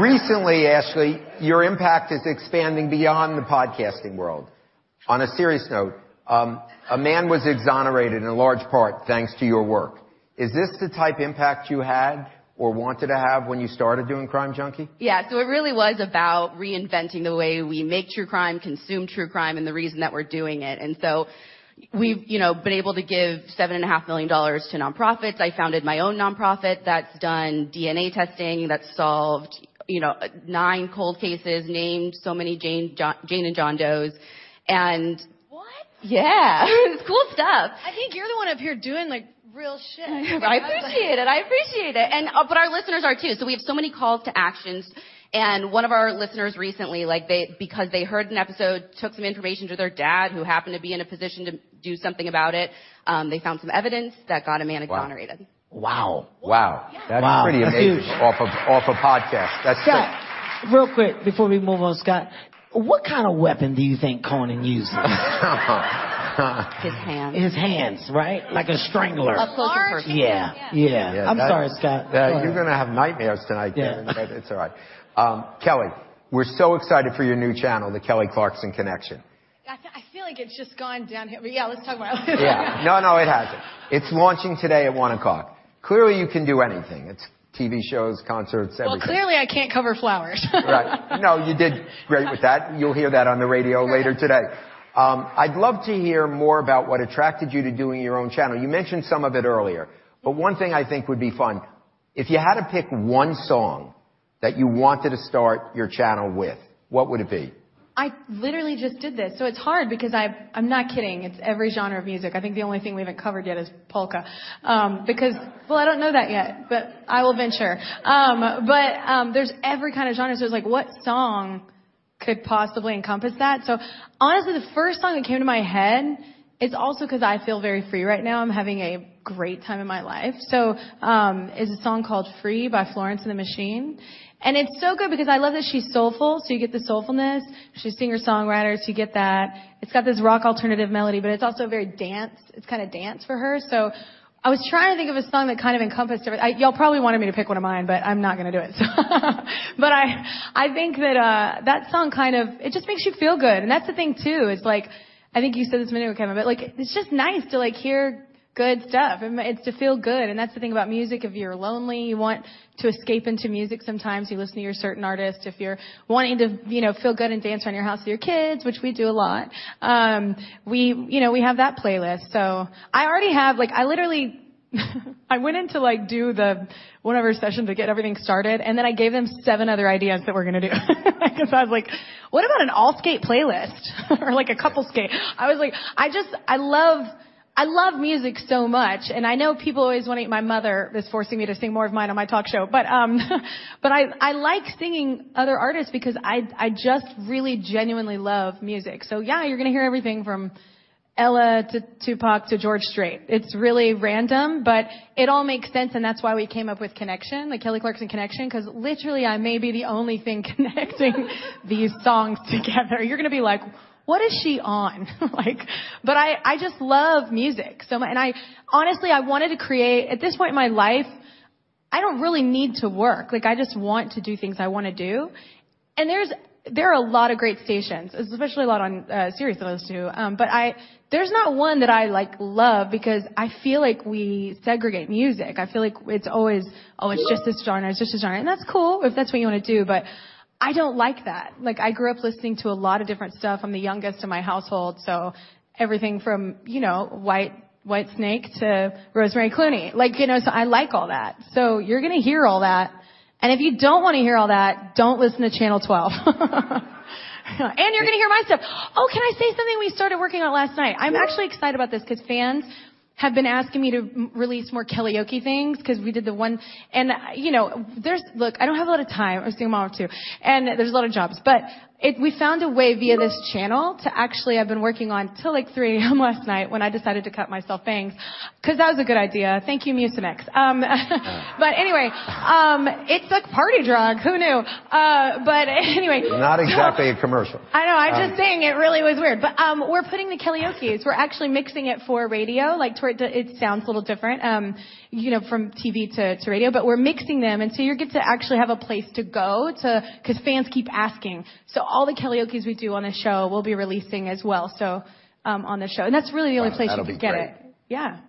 recently, Ashley, your impact is expanding beyond the podcasting world. On a serious note, a man was exonerated in large part, thanks to your work. Is this the type of impact you had or wanted to have when you started doing Crime Junkie? Yeah, so it really was about reinventing the way we make true crime, consume true crime, and the reason that we're doing it. And so we've, you know, been able to give $7.5 million to nonprofits. I founded my own nonprofit that's done DNA testing, that's solved, you know, nine cold cases, named so many Jane and John Does, and- What? Yeah, it's cool stuff. I think you're the one up here doing, like, real shit. I appreciate it. I appreciate it, and but our listeners are, too. So we have so many calls to actions, and one of our listeners recently, like, they, because they heard an episode, took some information to their dad, who happened to be in a position to do something about it. They found some evidence that got a man exonerated. Wow! Wow. Wow. Wow. That's pretty amazing- That's huge... off a podcast. That's cool. Scott, real quick, before we move on, Scott, what kind of weapon do you think Conan uses? His hands. His hands, right? Like a strangler. A closer person. Sharp? Yeah, yeah. Yeah, that- I'm sorry, Scott. You're gonna have nightmares tonight, Dan. Yeah. But it's all right. Kelly, we're so excited for your new channel, The Kelly Clarkson Connection. I feel like it's just gone downhill, but, yeah, let's talk about it. Yeah. No, no, it hasn't. It's launching today at one o'clock. Clearly, you can do anything. It's TV shows, concerts, everything. Well, clearly, I can't cover flowers. Right. No, you did great with that. You'll hear that on the radio later today. I'd love to hear more about what attracted you to doing your own channel. You mentioned some of it earlier, but one thing I think would be fun: if you had to pick one song that you wanted to start your channel with, what would it be? I literally just did this, so it's hard because I'm not kidding, it's every genre of music. I think the only thing we haven't covered yet is polka. Well, I don't know that yet, but I will venture. But there's every kind of genre, so it's like, what song could possibly encompass that? So honestly, the first song that came to my head, it's also 'cause I feel very free right now. I'm having a great time in my life. So it's a song called Free by Florence and the Machine, and it's so good because I love that she's soulful, so you get the soulfulness. She's a singer-songwriter, so you get that. It's got this rock alternative melody, but it's also very dance. It's kinda dance for her. So I was trying to think of a song that kind of encompassed everything. Y'all probably wanted me to pick one of mine, but I'm not gonna do it, so but I, I think that, that song kind of... It just makes you feel good, and that's the thing, too. It's like, I think you said this minute, kind of, but, like, it's just nice to, like, hear good stuff. I mean, it's to feel good, and that's the thing about music. If you're lonely, you want to escape into music sometimes. You listen to your certain artist. If you're wanting to, you know, feel good and dance around your house with your kids, which we do a lot, we, you know, we have that playlist. So I already have... Like, I literally, I went in to, like, do the whatever session to get everything started, and then I gave them seven other ideas that we're gonna do. Because I was like: What about an all-skate playlist or, like, a couple skate? I was like, I just, I love, I love music so much, and I know people always wanna... My mother is forcing me to sing more of mine on my talk show. But, but I, I like singing other artists because I, I just really genuinely love music. So yeah, you're gonna hear everything from Ella to Tupac to George Strait. It's really random, but it all makes sense, and that's why we came up with Connection, The Kelly Clarkson Connection, 'cause literally, I may be the only thing connecting these songs together. You're gonna be like: "What is she on?" Like, but I, I just love music so much. And I honestly, I wanted to create... At this point in my life, I don't really need to work. Like, I just want to do things I wanna do. And there's, there are a lot of great stations, especially a lot on, Sirius those two. But there's not one that I, like, love because I feel like we segregate music. I feel like it's always, "Oh, it's just this genre. It's just this genre." And that's cool if that's what you wanna do, but I don't like that. Like, I grew up listening to a lot of different stuff. I'm the youngest in my household, so everything from, you know, Whitesnake to Rosemary Clooney. Like, you know, so I like all that. So you're gonna hear all that, and if you don't wanna hear all that, don't listen to Channel 12. And you're gonna hear my stuff. Oh, can I say something we started working on last night? I'm actually excited about this 'cause fans have been asking me to release more Kellyoke things 'cause we did the one. And, you know, there's... Look, I don't have a lot of time. I'm a single mom of two, and there's a lot of jobs, but we found a way via this channel to actually, I've been working on till, like, 3 A.M. last night when I decided to cut myself bangs, 'cause that was a good idea. Thank you, Mucinex. But anyway, it's a party drug. Who knew? But anyway- Not exactly a commercial. I know. Um- I'm just saying it really was weird. But, we're putting the Kellyokes. We're actually mixing it for radio. Like, to where it sounds a little different, you know, from TV to radio, but we're mixing them, and so you're gonna actually have a place to go to—'cause fans keep asking. So all the Kellyokes we do on the show, we'll be releasing as well, so on the show. And that's really the only place you can get it. That'll be great. Yeah.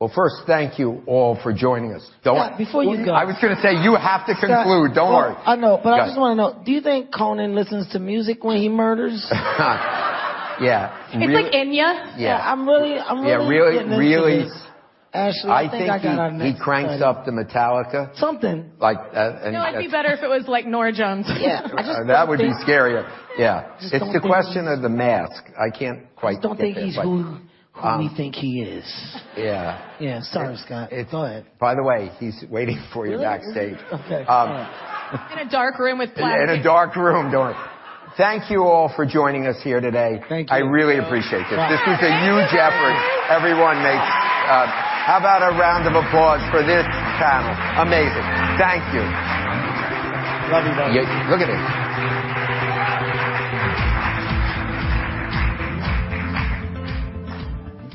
Well, first, thank you all for joining us. Don't- Scott, before you go- I was gonna say, you have to conclude. Don't worry. I know- Go. But I just wanna know, do you think Conan listens to music when he murders? Yeah. It's like Enya. Yeah. Yeah, I'm really... Yeah, really, really- Actually, I think I got an answer. He, he cranks up the Metallica. Something. Like, No, it'd be better if it was, like, Norah Jones. Yeah. I just- That would be scarier. Yeah. Just don't think- It's the question of the mask. I can't quite put my- Just don't think he's who we think he is. Yeah. Yeah. Sorry, Scott. I thought- By the way, he's waiting for you backstage. Really? Okay, all right. Um- In a dark room with blinds. In a dark room door. Thank you all for joining us here today. Thank you. I really appreciate this. Yeah. This was a huge effort everyone makes. How about a round of applause for this panel? Amazing. Thank you. Love you guys. Yeah, look at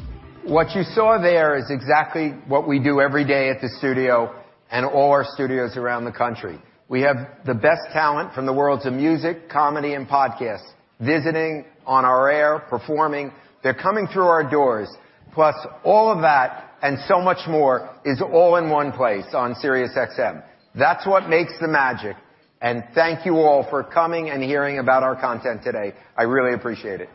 this. What you saw there is exactly what we do every day at the studio and all our studios around the country. We have the best talent from the worlds of music, comedy, and podcasts, visiting on our air, performing. They're coming through our doors. Plus, all of that and so much more is all in one place on SiriusXM. That's what makes the magic, and thank you all for coming and hearing about our content today. I really appreciate it.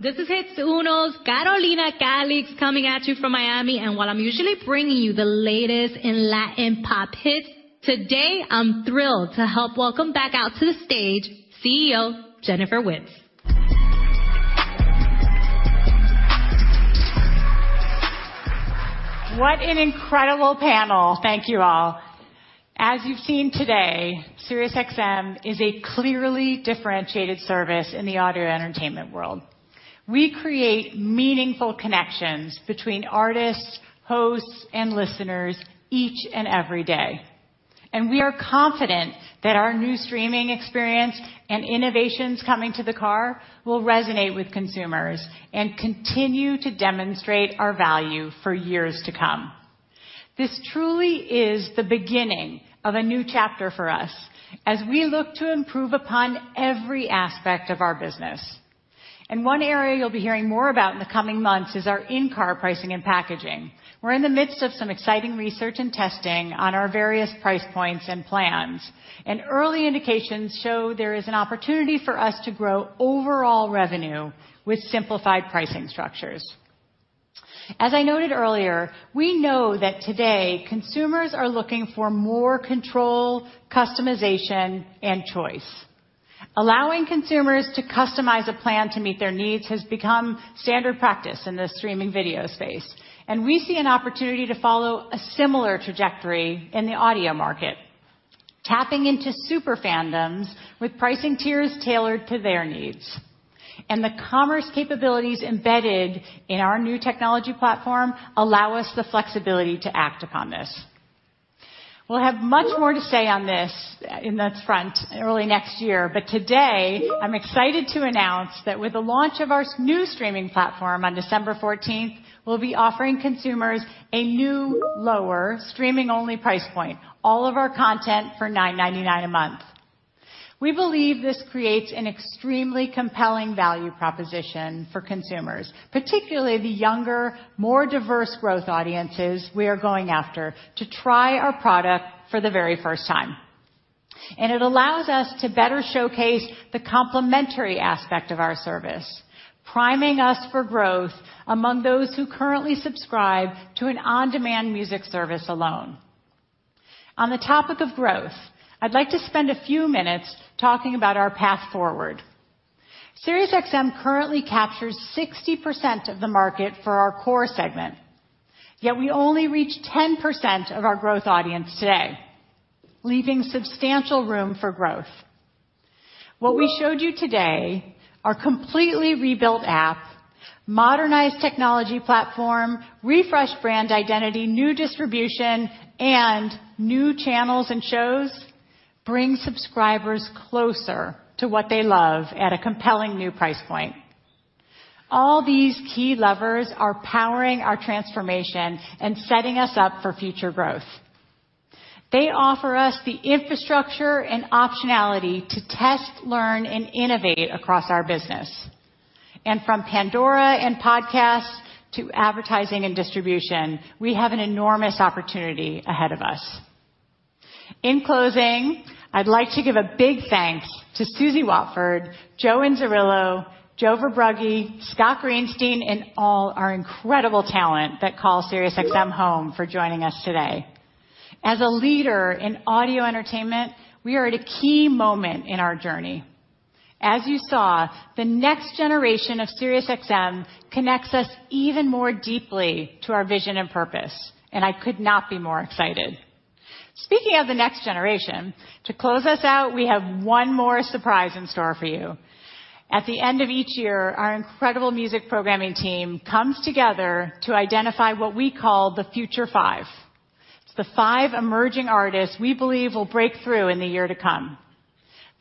This is Hits Uno, Carolina Calix, coming at you from Miami. While I'm usually bringing you the latest in Latin pop hits, today I'm thrilled to help welcome back out to the stage, CEO, Jennifer Witz. What an incredible panel! Thank you all. As you've seen today, SiriusXM is a clearly differentiated service in the audio entertainment world. We create meaningful connections between artists, hosts, and listeners each and every day, and we are confident that our new streaming experience and innovations coming to the car will resonate with consumers and continue to demonstrate our value for years to come. This truly is the beginning of a new chapter for us as we look to improve upon every aspect of our business. One area you'll be hearing more about in the coming months is our in-car pricing and packaging. We're in the midst of some exciting research and testing on our various price points and plans, and early indications show there is an opportunity for us to grow overall revenue with simplified pricing structures. As I noted earlier, we know that today, consumers are looking for more control, customization, and choice. Allowing consumers to customize a plan to meet their needs has become standard practice in the streaming video space, and we see an opportunity to follow a similar trajectory in the audio market, tapping into super fandoms with pricing tiers tailored to their needs. And the commerce capabilities embedded in our new technology platform allow us the flexibility to act upon this. We'll have much more to say on this in the front, early next year, but today, I'm excited to announce that with the launch of our new streaming platform on December fourteenth, we'll be offering consumers a new, lower, streaming-only price point. All of our content for $9.99 a month. We believe this creates an extremely compelling value proposition for consumers, particularly the younger, more diverse growth audiences we are going after, to try our product for the very first time. It allows us to better showcase the complementary aspect of our service, priming us for growth among those who currently subscribe to an on-demand music service alone. On the topic of growth, I'd like to spend a few minutes talking about our path forward. SiriusXM currently captures 60% of the market for our core segment, yet we only reach 10% of our growth audience today, leaving substantial room for growth. What we showed you today, our completely rebuilt app, modernized technology platform, refreshed brand identity, new distribution, and new channels and shows, bring subscribers closer to what they love at a compelling new price point. All these key levers are powering our transformation and setting us up for future growth. They offer us the infrastructure and optionality to test, learn, and innovate across our business. From Pandora and podcasts to advertising and distribution, we have an enormous opportunity ahead of us. In closing, I'd like to give a big thanks to Suzi Watford, Joe Inzerillo, Joe Verbrugge, Scott Greenstein, and all our incredible talent that call SiriusXM home, for joining us today. As a leader in audio entertainment, we are at a key moment in our journey. As you saw, the next generation of SiriusXM connects us even more deeply to our vision and purpose, and I could not be more excited. Speaking of the next generation, to close us out, we have one more surprise in store for you. At the end of each year, our incredible music programming team comes together to identify what we call the Future Five. It's the five emerging artists we believe will break through in the year to come.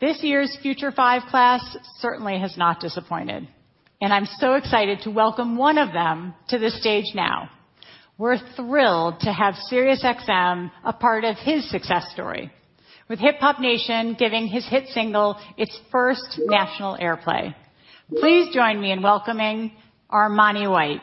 This year's Future Five class certainly has not disappointed, and I'm so excited to welcome one of them to the stage now. We're thrilled to have SiriusXM a part of his success story, with Hip Hop Nation giving his hit single its first national airplay. Please join me in welcoming Armani White.